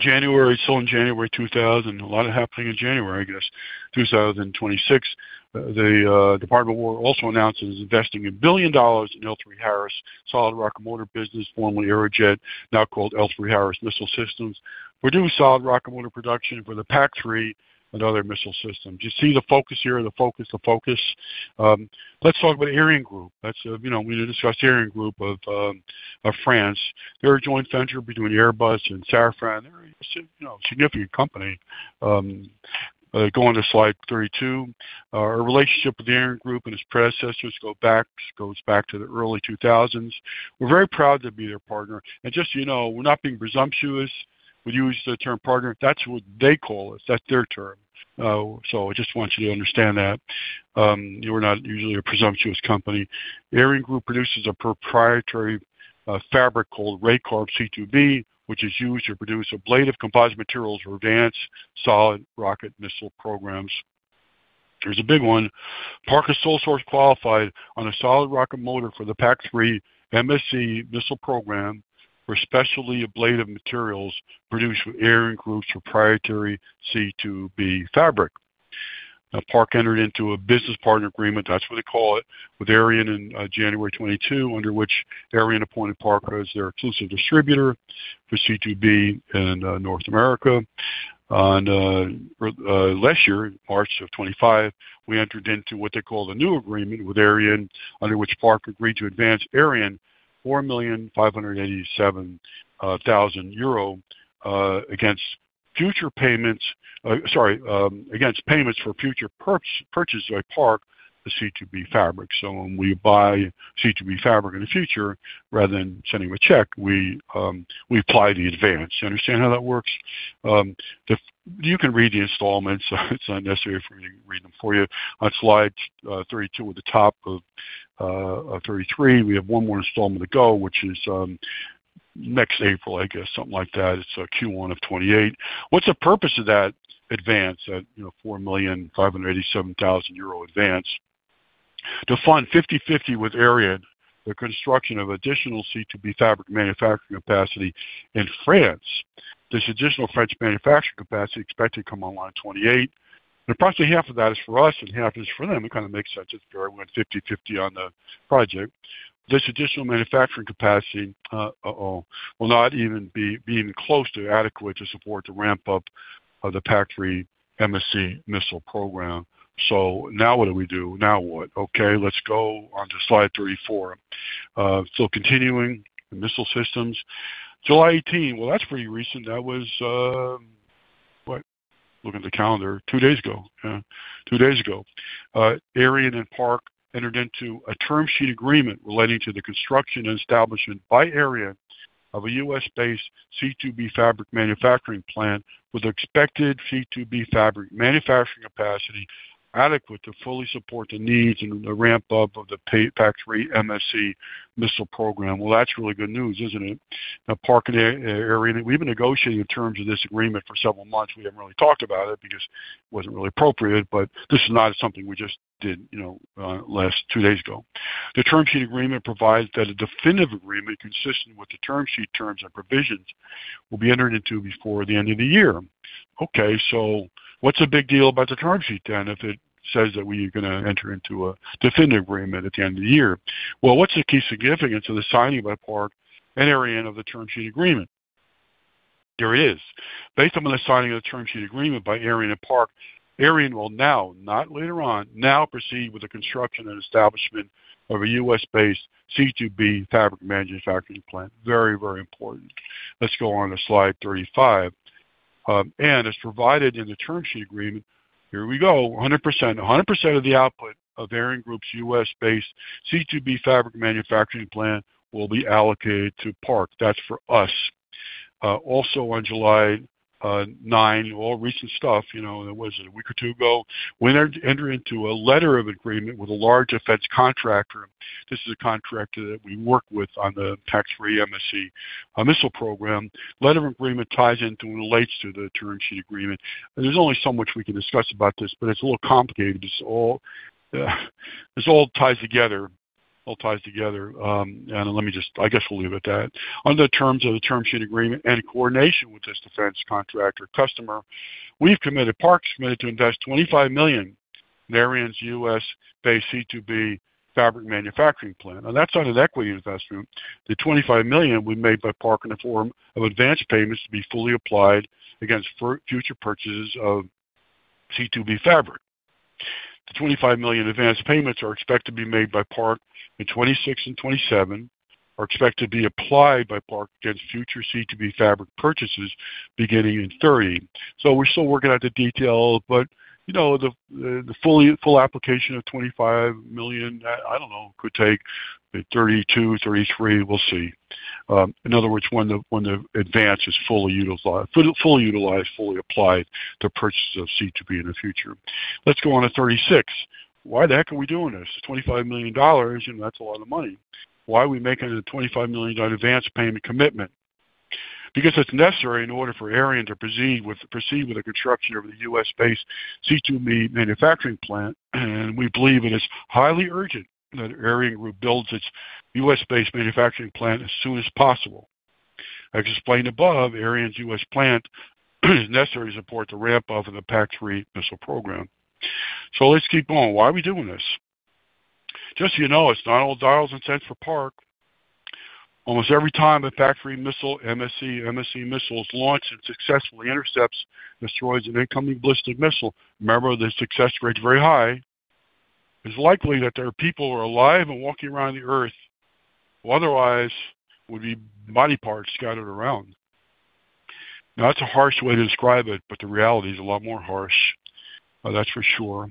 Still in January 2000, a lot happening in January, I guess, 2026, the Department of Defense also announced it is investing $1 billion in L3Harris solid rocket motor business, formerly Aerojet, now called L3Harris Missile Solutions. We do solid rocket motor production for the PAC-3 and other missile systems. You see the focus here. Let's talk about the ArianeGroup. We need to discuss the ArianeGroup of France. They're a joint venture between Airbus and Safran. They're a significant company. Go on to slide 32. Our relationship with the ArianeGroup and its predecessors goes back to the early 2000s. We're very proud to be their partner. Just so you know, we're not being presumptuous. We use the term partner. That's what they call us. That's their term. I just want you to understand that. We're not usually a presumptuous company. ArianeGroup produces a proprietary fabric called Raycarb C2B, which is used to produce ablative composite materials for advanced solid rocket missile programs. Here's a big one. Park is sole source qualified on a solid rocket motor for the PAC-3 MSE missile program for specialty ablative materials produced for ArianeGroup's proprietary C2B fabric. Park entered into a business partner agreement, that's what they call it, with Ariane in January 2022, under which Ariane appointed Park as their exclusive distributor for C2B in North America. Last year, in March 2025, we entered into what they call the new agreement with Ariane, under which Park agreed to advance Ariane 4,587,000 euro against future payments, sorry, against payments for future purchases by Park of C2B fabric. When we buy C2B fabric in the future, rather than sending a check, we apply the advance. You understand how that works? You can read the installments, it's unnecessary for me to read them for you. On slide 32 at the top of 33, we have one more installment to go, which is next April, I guess, something like that. It's Q1 of 2028. What's the purpose of that advance, that 4,587,000 euro advance? To fund 50/50 with Ariane, the construction of additional C2B fabric manufacturing capacity in France. This additional French manufacturing capacity expected to come online 2028, approximately half of that is for us and half is for them. It kind of makes sense that they went 50/50 on the project. This additional manufacturing capacity will not even be close to adequate to support the ramp-up of the PAC-3 MSE missile program. Now what do we do? Now what? Let's go onto slide 34. Continuing, missile systems. July 18, well, that's pretty recent. That was, look at the calendar, two days ago. Two days ago. Ariane and Park entered into a term sheet agreement relating to the construction and establishment by Ariane of a U.S.-based C2B fabric manufacturing plant with expected C2B fabric manufacturing capacity adequate to fully support the needs and the ramp-up of the PAC-3 MSE missile program. Well, that's really good news, isn't it? Park and Ariane, we've been negotiating the terms of this agreement for several months. We haven't really talked about it because it wasn't really appropriate, this is not something we just did two days ago. The term sheet agreement provides that a definitive agreement consistent with the term sheet terms and provisions will be entered into before the end of the year. What's the big deal about the term sheet then if it says that we are going to enter into a definitive agreement at the end of the year? What's the key significance of the signing by Park and Ariane of the term sheet agreement? There is. Based on the signing of the term sheet agreement by Ariane and Park, Ariane will now, not later on, now proceed with the construction and establishment of a U.S.-based C2B fabric manufacturing plant. Very, very important. Let's go on to slide 35. As provided in the term sheet agreement, here we go, 100%. 100% of the output of ArianeGroup's U.S.-based C2B fabric manufacturing plant will be allocated to Park. That's for us. On July 9, all recent stuff, what was it, a week or two ago? We entered into a letter of agreement with a large defense contractor. This is a contractor that we work with on the PAC-3 MSE missile program. Letter of agreement ties into and relates to the term sheet agreement. There's only so much we can discuss about this, but it's a little complicated. This all ties together. Let me just, I guess we'll leave it at that. Under the terms of the term sheet agreement and in coordination with this defense contractor customer, we've committed, Park's committed to invest $25 million in Ariane's U.S.-based C2B fabric manufacturing plant. That's not an equity investment. The $25 million will be made by Park in the form of advanced payments to be fully applied against future purchases of C2B fabric. The $25 million advanced payments are expected to be made by Park in 2026 and 2027, are expected to be applied by Park against future C2B fabric purchases beginning in 2030. We're still working out the details, but the full application of $25 million, I don't know, could take 2032, 2033, we'll see. In other words, when the advance is fully utilized, fully applied to purchases of C2B in the future. Let's go on to 36. Why the heck are we doing this? $25 million, that's a lot of money. Why are we making a $25 million advance payment commitment? Because it's necessary in order for Ariane to proceed with the construction of the U.S. based C2B manufacturing plant, and we believe it is highly urgent that Ariane builds its U.S.-based manufacturing plant as soon as possible. As explained above, Ariane's U.S. plant is necessary to support the ramp-up of the PAC-3 missile program. Let's keep going. Why are we doing this? Just so you know, it's not all dollars and cents for Park. Almost every time a PAC-3 MSE missile is launched and successfully intercepts, destroys an incoming ballistic missile, remember, the success rate is very high, it's likely that there are people who are alive and walking around the Earth who otherwise would be body parts scattered around. That's a harsh way to describe it, but the reality is a lot more harsh. That's for sure.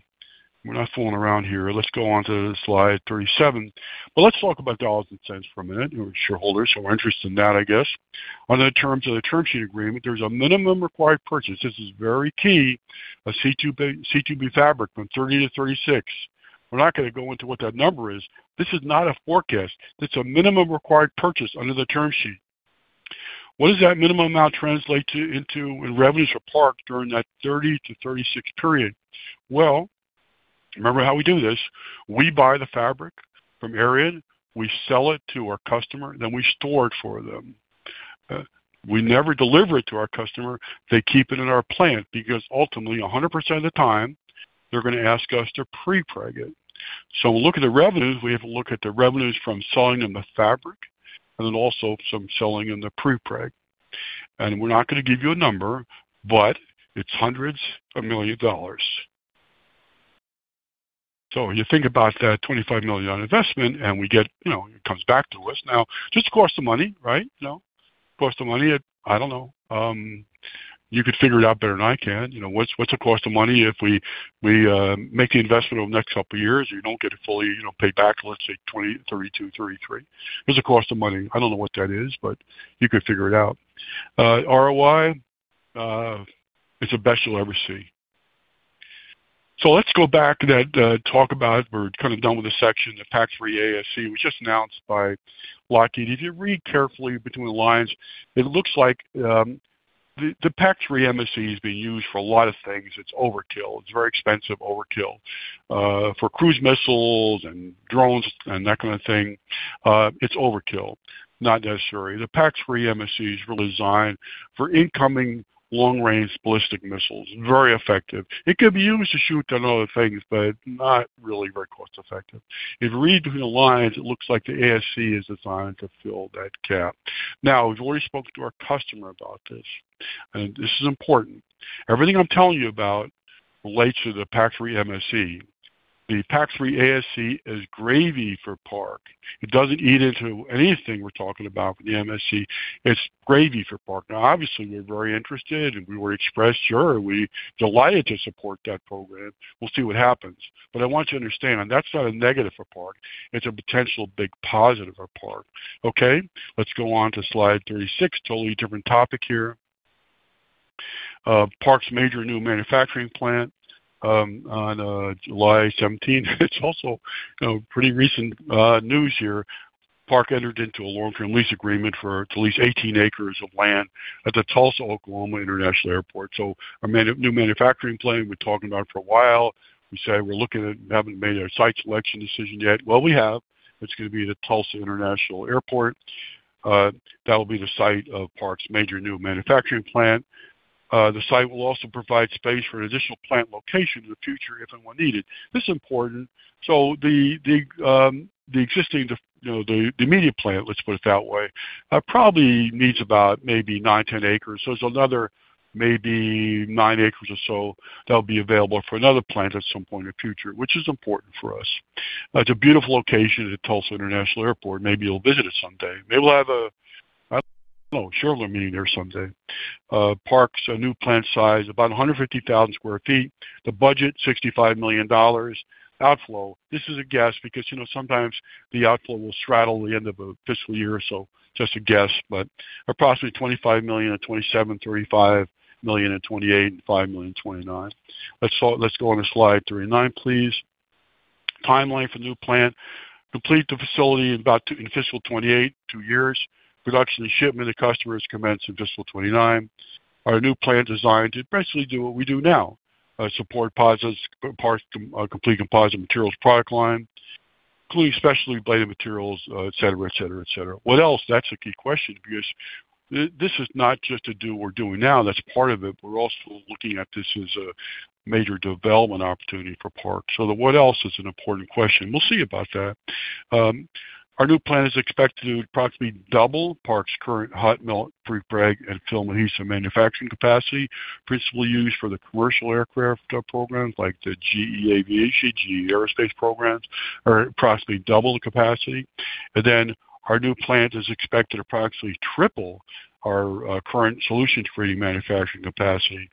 We're not fooling around here. Let's go on to slide 37, but let's talk about dollars and cents for a minute. Shareholders who are interested in that, I guess. Under the terms of the term sheet agreement, there's a minimum required purchase, this is very key, of C2B fabric from 2030 to 2036. We're not going to go into what that number is. This is not a forecast. That's a minimum required purchase under the term sheet. What does that minimum amount translate into in revenues for Park during that 2030 to 2036 period? Well, remember how we do this. We buy the fabric from Ariane, we sell it to our customer, then we store it for them. We never deliver it to our customer. They keep it in our plant because ultimately, 100% of the time, they are going to ask us to pre-preg it. So we look at the revenues, we have to look at the revenues from selling them the fabric, and then also some selling in the pre-preg. We are not going to give you a number, but it is $hundreds of million dollars. So you think about that $25 million investment, and it comes back to us. Now, just the cost of money, right? Cost of money. I don't know. You could figure it out better than I can. What is the cost of money if we make the investment over the next couple of years, you do not get it fully paid back until, let us say, 2032, 2033? There is a cost of money. I don't know what that is, but you could figure it out. ROI, it is the best you will ever see. Let us go back to that talk about, we are kind of done with this section, the PAC-3 ASE, which was just announced by Lockheed. If you read carefully between the lines, it looks like the PAC-3 MSE is being used for a lot of things. It is overkill. It is very expensive overkill. For cruise missiles and drones and that kind of thing, it is overkill, not necessary. The PAC-3 MSE is really designed for incoming long-range ballistic missiles, very effective. It could be used to shoot down other things, but not really very cost-effective. If you read between the lines, it looks like the ASE is designed to fill that gap. Now, we have already spoke to our customer about this, and this is important. Everything I am telling you about relates to the PAC-3 MSE. The PAC-3 ASE is gravy for Park. It does not eat into anything we are talking about with the MSE. It is gravy for Park. Now, obviously, we are very interested, and we were express, sure, we are delighted to support that program. We will see what happens. But I want you to understand, that is not a negative for Park. It is a potential big positive for Park. Okay, let us go on to slide 36. Totally different topic here. Park's major new manufacturing plant on July 17. It is also pretty recent news here. Park entered into a long-term lease agreement to lease 18 acres of land at the Tulsa, Oklahoma International Airport. Our new manufacturing plant we have been talking about for a while. We said we are looking at it and have not made our site selection decision yet. Well, we have. It is going to be the Tulsa International Airport. That will be the site of Park's major new manufacturing plant. The site will also provide space for an additional plant location in the future if and when needed. This is important. So the existing, the immediate plant, let us put it that way, probably needs about maybe nine, 10 acres. So there is another maybe nine acres or so that will be available for another plant at some point in the future, which is important for us. It is a beautiful location at Tulsa International Airport. Maybe you will visit it someday. Maybe we will have a shareholder meeting there someday. Park's new plant size, about 150,000 sq ft. The budget, $65 million. Outflow, this is a guess because sometimes the outflow will straddle the end of a fiscal year, so just a guess, but approximately $25 million at 2027, $35 million at 2028, and $5 million 2029. Let's go on to slide 39, please. Timeline for the new plant. Complete the facility in fiscal 2028, two years. Production and shipment to customers commence in fiscal 2029. Our new plant designed to basically do what we do now, support Park's complete composite materials product line, including specialty ablative materials, et cetera. What else? That's a key question because this is not just to do what we're doing now. That's part of it, but we're also looking at this as a major development opportunity for Park. The what else is an important question. We'll see about that. Our new plant is expected to approximately double Park's current hot melt, prepreg, and film adhesive manufacturing capacity, principally used for the commercial aircraft programs like the GE Aviation, GE Aerospace programs, or approximately double the capacity. Our new plant is expected to approximately triple our current solution treating manufacturing capacity.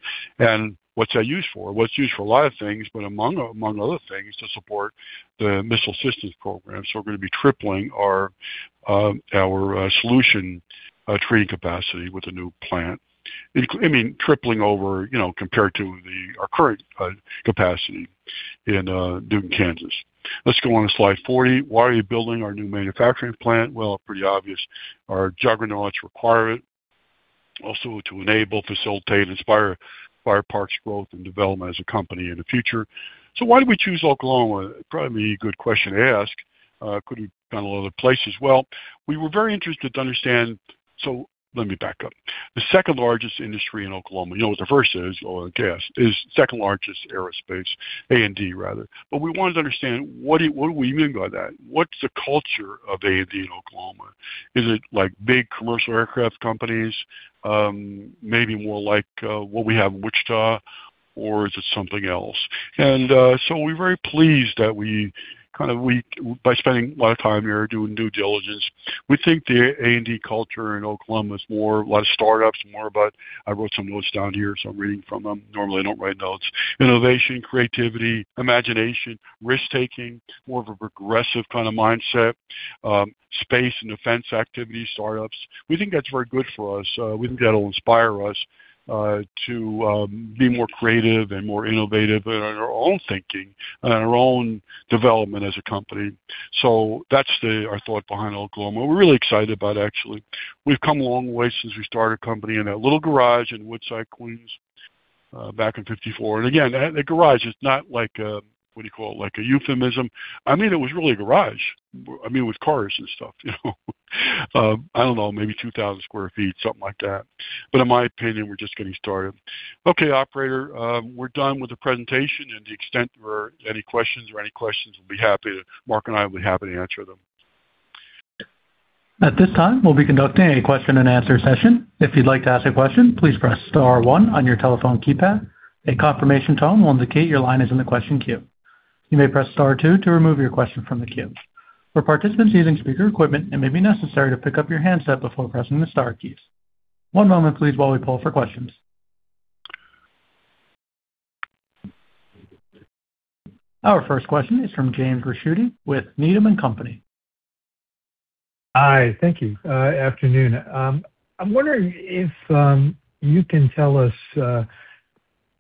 What's that used for? Well, it's used for a lot of things, but among other things, to support the missile systems program. We're going to be tripling our solution treating capacity with the new plant. I mean, tripling over, compared to our current capacity in Newton, Kansas. Let's go on to slide 40. Why are you building our new manufacturing plant? Well, pretty obvious. Our juggernauts require it. Also to enable, facilitate, inspire Park's growth and development as a company in the future. Why did we choose Oklahoma? Probably a good question to ask. Could have gone a lot of other places. Well, we were very interested to understand. Let me back up. The second largest industry in Oklahoma, you know what the first is, oil and gas, is second largest aerospace, A&D rather. We wanted to understand, what do we mean by that? What's the culture of A&D in Oklahoma? Is it like big commercial aircraft companies, maybe more like what we have in Wichita, or is it something else? We're very pleased that we, by spending a lot of time here doing due diligence, we think the A&D culture in Oklahoma is more, a lot of startups, more about, I wrote some notes down here, I'm reading from them. Normally, I don't write notes. Innovation, creativity, imagination, risk-taking, more of a progressive kind of mindset, space and defense activity startups. We think that's very good for us. We think that'll inspire us to be more creative and more innovative in our own thinking and in our own development as a company. That's our thought behind Oklahoma. We're really excited about it, actually. We've come a long way since we started a company in that little garage in Woodside, Queens, back in 1954. A garage is not like a, what do you call it, like a euphemism. I mean, it was really a garage. I mean, with cars and stuff. I don't know, maybe 2,000 sq ft, something like that. In my opinion, we're just getting started. Okay, operator, we're done with the presentation. To the extent there are any questions or any questions, we'll be happy to, Mark and I will be happy to answer them. At this time, we'll be conducting a question and answer session. If you'd like to ask a question, please press star one on your telephone keypad. A confirmation tone will indicate your line is in the question queue. You may press star two to remove your question from the queue. For participants using speaker equipment, it may be necessary to pick up your handset before pressing the star keys. One moment please while we poll for questions. Our first question is from James Ricchiuti with Needham & Company. Hi. Thank you. Afternoon. I'm wondering if you can tell us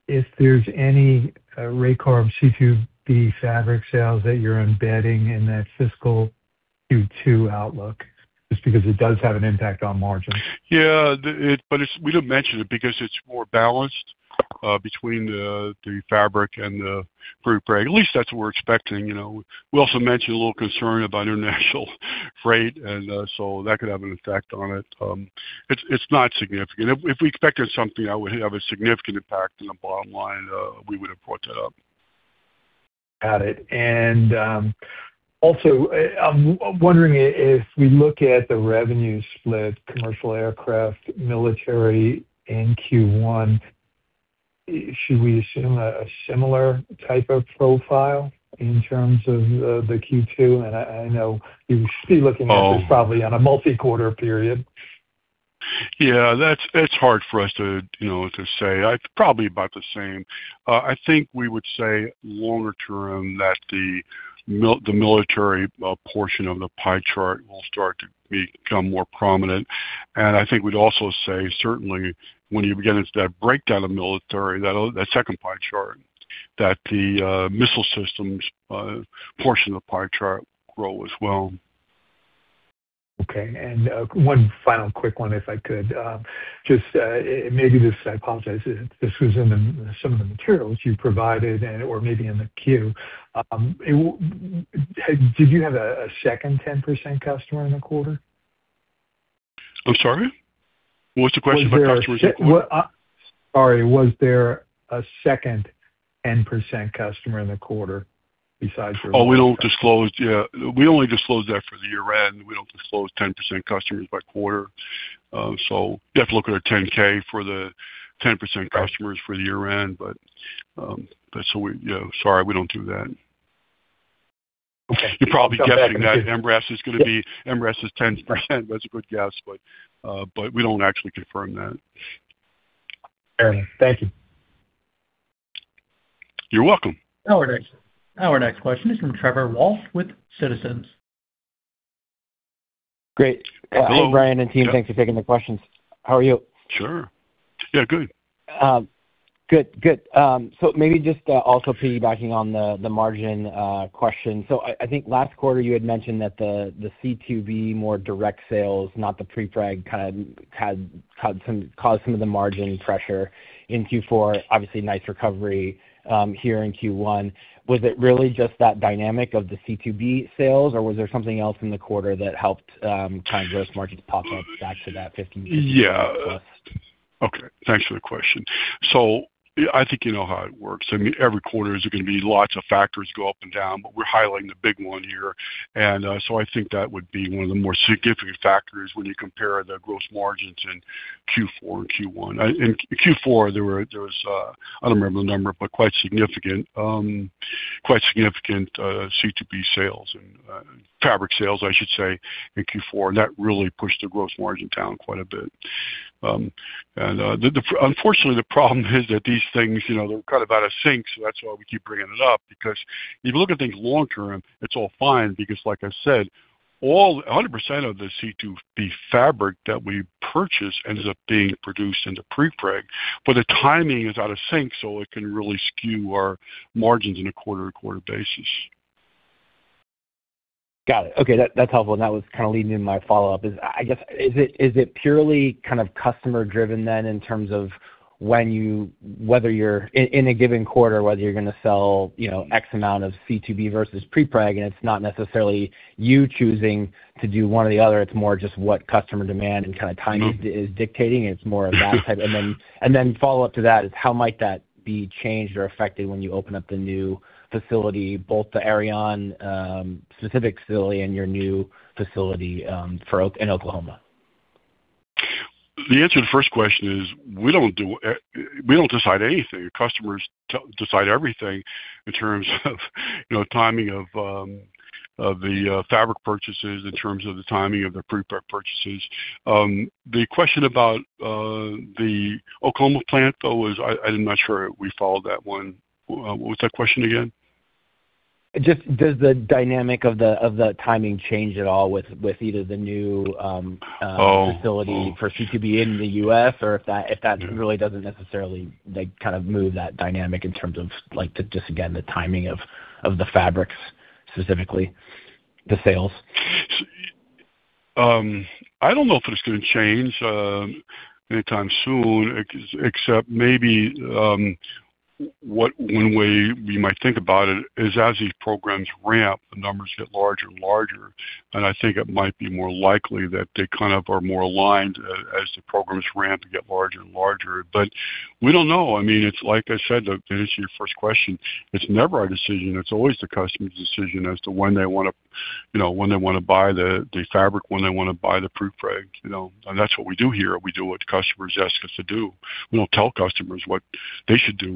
if there's any Raycarb C2B fabric sales that you're embedding in that fiscal Q2 outlook, just because it does have an impact on margins. Yeah. We don't mention it because it's more balanced, between the fabric and the prepreg. At least that's what we're expecting. We also mentioned a little concern about international freight, so that could have an effect on it. It's not significant. If we expected something that would have a significant impact on the bottom line, we would have brought that up. Got it. Also, I'm wondering if we look at the revenue split, commercial, aircraft, military in Q1, should we assume a similar type of profile in terms of the Q2? I know you would be looking at this probably on a multi-quarter period. Yeah, that's hard for us to say. It's probably about the same. I think we would say longer term that the military portion of the pie chart will start to become more prominent. I think we'd also say certainly when you get into that breakdown of military, that second pie chart, that the missile systems portion of the pie chart will grow as well. Okay. One final quick one, if I could. Maybe this, I apologize, if this was in some of the materials you provided or maybe in the queue. Did you have a second 10% customer in the quarter? I'm sorry. What was the question about customers in the quarter? Sorry, was there a second 10% customer in the quarter besides- We don't disclose, yeah. We only disclose that for the year-end. We don't disclose 10% customers by quarter. You'd have to look at our 10-K for the 10% customers for the year-end. We, yeah, sorry, we don't do that. Okay. You're probably guessing that Embraer is going to be, Embraer's 10%. That's a good guess, we don't actually confirm that. Fair enough. Thank you. You're welcome. Our next question is from Trevor Walsh with Citizens. Great. Hello. Hi, Brian and team. Thanks for taking the questions. How are you? Sure. Yeah, good. Good. Maybe just also piggybacking on the margin question. I think last quarter, you had mentioned that the C2B more direct sales, not the pre-preg, kind of caused some of the margin pressure in Q4. Obviously, nice recovery, here in Q1. Was it really just that dynamic of the C2B sales, or was there something else in the quarter that helped kind of gross margins pop up back to that 15? Yeah. Okay. Thanks for the question. I think you know how it works. I mean, every quarter, there's going to be lots of factors go up and down, but we're highlighting the big one here. I think that would be one of the more significant factors when you compare the gross margins in Q4 and Q1. In Q4, there was, I don't remember the number, but quite significant C2B sales and fabric sales, I should say, in Q4. That really pushed the gross margin down quite a bit. Unfortunately, the problem is that these things, they're kind of out of sync, so that's why we keep bringing it up, because you look at things long term, it's all fine because like I said, 100% of the C2B fabric that we purchase ends up being produced into prepreg. The timing is out of sync, so it can really skew our margins in a quarter-to-quarter basis. Got it. Okay. That's helpful, and that was kind of leading into my follow-up is I guess, is it purely kind of customer driven then in terms of when you, whether you're in a given quarter, whether you're going to sell X amount of C2B versus prepreg, and it's not necessarily you choosing to do one or the other, it's more just what customer demand and kind of timing is dictating? It's more of that type. Follow-up to that is how might that be changed or affected when you open up the new facility, both the Ariane specific facility and your new facility in Oklahoma? The answer to the first question is, we don't decide anything. Customers decide everything in terms of timing of the fabric purchases, in terms of the timing of the prepreg purchases. The question about the Oklahoma plant, though, I'm not sure we followed that one. What was that question again? Does the dynamic of the timing change at all with either the? Oh Facility for C2B in the U.S., or if that really doesn't necessarily like move that dynamic in terms of like, again, the timing of the fabrics, specifically the sales. I don't know if it's going to change anytime soon, except maybe, one way we might think about it is as these programs ramp, the numbers get larger and larger, and I think it might be more likely that they are more aligned as the programs ramp and get larger and larger. We don't know. I mean, it's like I said to answer your first question, it's never our decision. It's always the customer's decision as to when they want to buy the fabric, when they want to buy the proof tags. That's what we do here. We do what the customers ask us to do. We don't tell customers what they should do.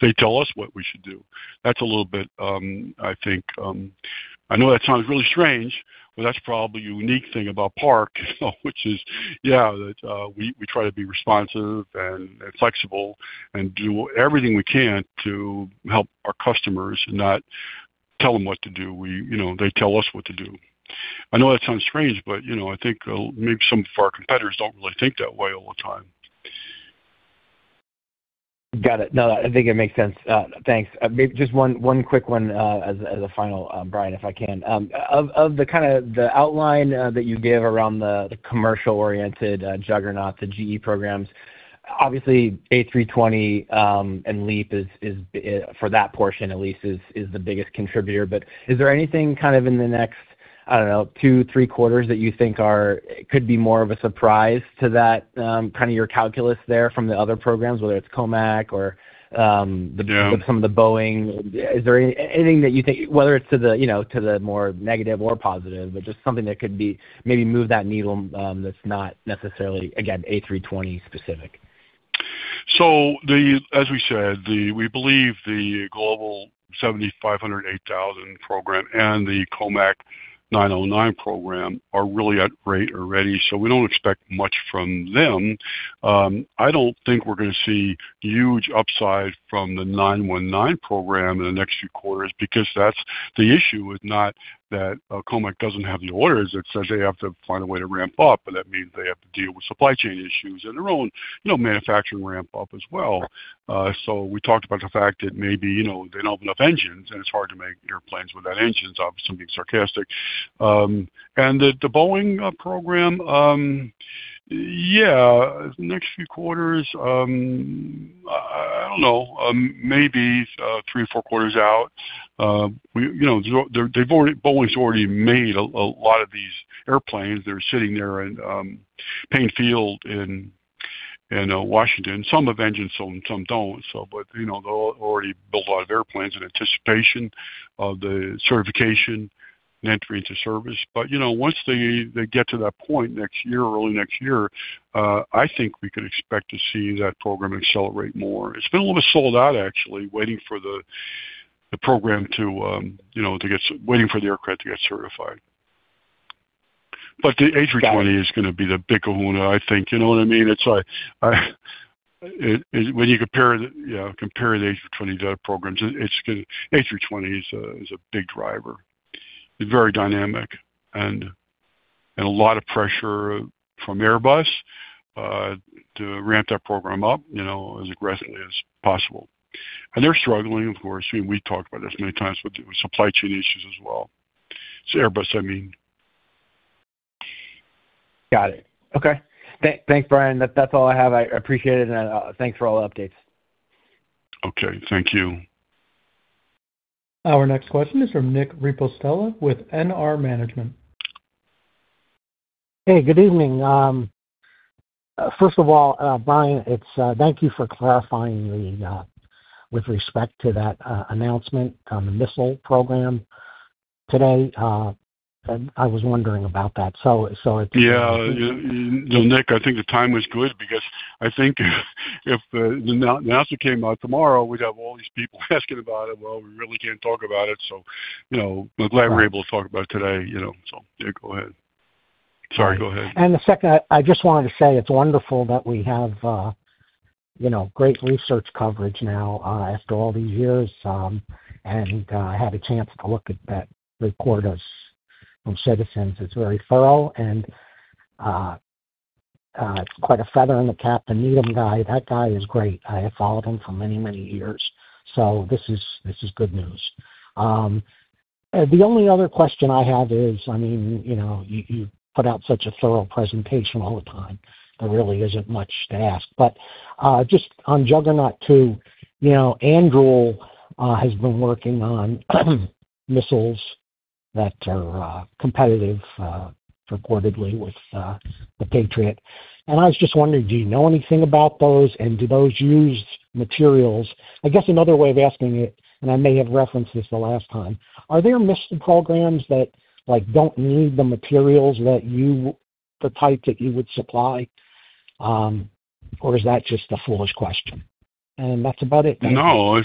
They tell us what we should do. That's a little bit, I think I know that sounds really strange. That's probably a unique thing about Park, which is, yeah, we try to be responsive and flexible and do everything we can to help our customers, not tell them what to do. They tell us what to do. I know that sounds strange. I think maybe some of our competitors don't really think that way all the time. Got it. No, I think it makes sense. Thanks. Maybe just one quick one as a final, Brian, if I can. Of the kind of the outline that you gave around the commercial-oriented juggernauts, the GE programs, obviously A320, and LEAP is, for that portion at least, is the biggest contributor. Is there anything in the next, I don't know, two, three quarters that you think could be more of a surprise to that, your calculus there from the other programs, whether it's COMAC or Yeah Some of the Boeing. Is there anything that you think, whether it's to the more negative or positive, just something that could maybe move that needle, that's not necessarily, again, A320 specific? As we said, we believe the Global 7500, 8,000 program and the COMAC C919 program are really at rate already. We don't expect much from them. I don't think we're going to see huge upside from the C919 program in the next few quarters because that's the issue, is not that COMAC doesn't have the orders. It's just they have to find a way to ramp up, and that means they have to deal with supply chain issues and their own manufacturing ramp-up as well. We talked about the fact that maybe they don't have enough engines, and it's hard to make airplanes without engines. Obviously, I'm being sarcastic. The Boeing program, yeah, next few quarters, I don't know, maybe three or four quarters out. Boeing's already made a lot of these airplanes. They're sitting there in Paine Field in Washington, some have engines on, some don't. They already built a lot of airplanes in anticipation of the certification and entry into service. Once they get to that point next year or early next year, I think we could expect to see that program accelerate more. It's been a little bit sold out, actually, waiting for the aircraft to get certified. The A320 is going to be the big kahuna, I think. You know what I mean? When you compare the A320 to other programs, A320 is a big driver. It's very dynamic, and a lot of pressure from Airbus, to ramp that program up as aggressively as possible. They're struggling, of course, we talked about this many times, with supply chain issues as well. It's Airbus, I mean. Got it. Okay. Thanks, Brian. That is all I have. I appreciate it, and thanks for all the updates. Okay. Thank you. Our next question is from Nick Ripostella with NR Management. Hey, good evening. First of all, Brian, thank you for clarifying with respect to that announcement on the missile program today. I was wondering about that. Nick, I think the time was good because I think if the announcement came out tomorrow, we'd have all these people asking about it. Well, we really can't talk about it. I'm glad we were able to talk about it today. Yeah, go ahead. Sorry, go ahead. The second, I just wanted to say it's wonderful that we have great research coverage now after all these years, and I had a chance to look at that report from Citizens. It's very thorough and quite a feather in the cap. The Needham guy, that guy is great. I have followed him for many, many years. This is good news. The only other question I have is, you put out such a thorough presentation all the time, there really isn't much to ask. Just on Juggernaut, too, Anduril has been working on missiles that are competitive, reportedly with, the Patriot, and I was just wondering, do you know anything about those, and do those use materials? I guess another way of asking it, I may have referenced this the last time, are there missile programs that don't need the materials, the type that you would supply? Is that just a foolish question? That's about it, thanks. No, I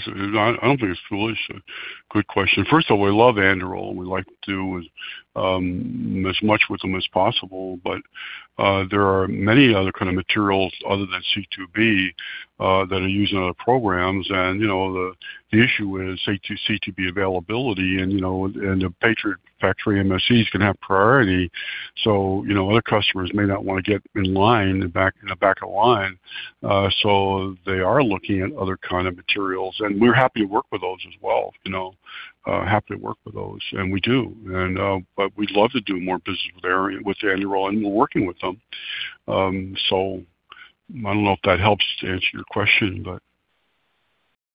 don't think it's foolish. Good question. First of all, we love Anduril. We like to do as much with them as possible. There are many other kinds of materials other than C2B that are used in other programs. The issue is C2B availability and the Patriot factory MSCs can have priority. Other customers may not want to get in line, in the back of the line. They are looking at other kinds of materials, and we're happy to work with those as well. Happy to work with those. We do. We'd love to do more business with Anduril, and we're working with them. I don't know if that helps to answer your question, but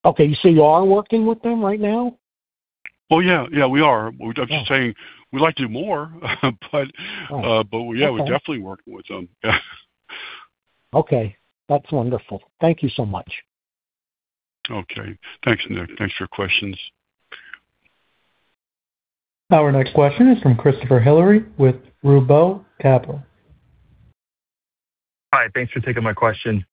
Okay, you are working with them right now? Well, yeah. We are. I'm just saying we'd like to do more. Okay We're definitely working with them. Okay. That's wonderful. Thank you so much. Okay. Thanks, Nick. Thanks for your questions. Our next question is from Christopher Hillary with Roubaix Capital. Hi. Thanks for taking my question.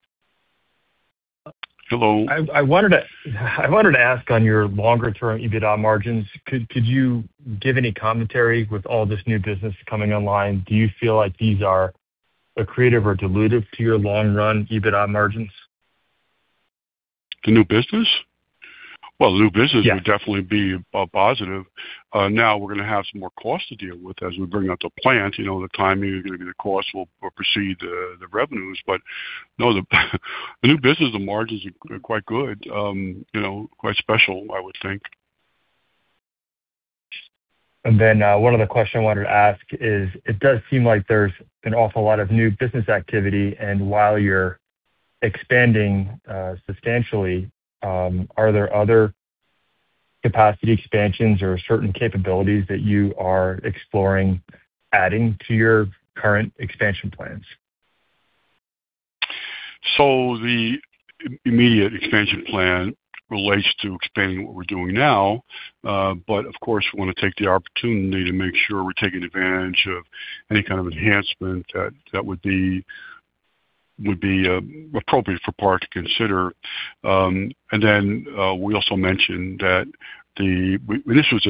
Hello. I wanted to ask on your longer-term EBITDA margins, could you give any commentary with all this new business coming online? Do you feel like these are accretive or dilutive to your long-run EBITDA margins? The new business? Well, Yeah Would definitely be a positive. We're going to have some more costs to deal with as we bring up the plant. The timing of the costs will precede the revenues. No, the new business, the margins are quite good. Quite special, I would think. One other question I wanted to ask is, it does seem like there's an awful lot of new business activity, and while you're expanding substantially, are there other capacity expansions or certain capabilities that you are exploring adding to your current expansion plans? The immediate expansion plan relates to expanding what we're doing now. Of course, we want to take the opportunity to make sure we're taking advantage of any kind of enhancement that would be appropriate for Park to consider. This was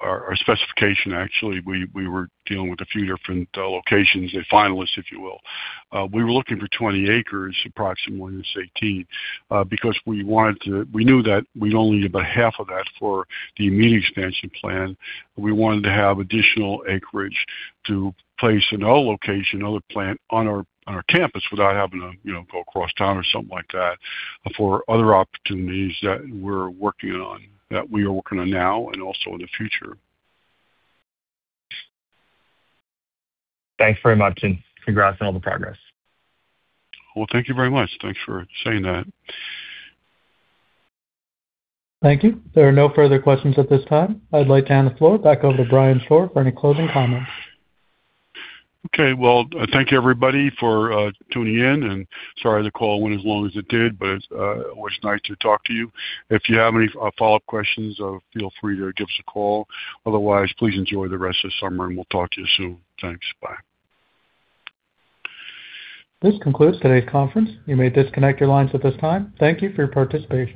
our specification, actually. We were dealing with a few different locations, the finalists, if you will. We were looking for 20 acres approximately. This is 18. Because we knew that we'd only need about half of that for the immediate expansion plan. We wanted to have additional acreage to place another location, another plant on our campus without having to go across town or something like that for other opportunities that we're working on, that we are working on now and also in the future. Thanks very much, and congrats on all the progress. Well, thank you very much. Thanks for saying that. Thank you. There are no further questions at this time. I'd like to hand the floor back over to Brian Shore for any closing comments. Okay. Well, thank you everybody for tuning in, and sorry the call went as long as it did, but it was nice to talk to you. If you have any follow-up questions, feel free to give us a call. Otherwise, please enjoy the rest of the summer, and we'll talk to you soon. Thanks. Bye. This concludes today's conference. You may disconnect your lines at this time. Thank you for your participation.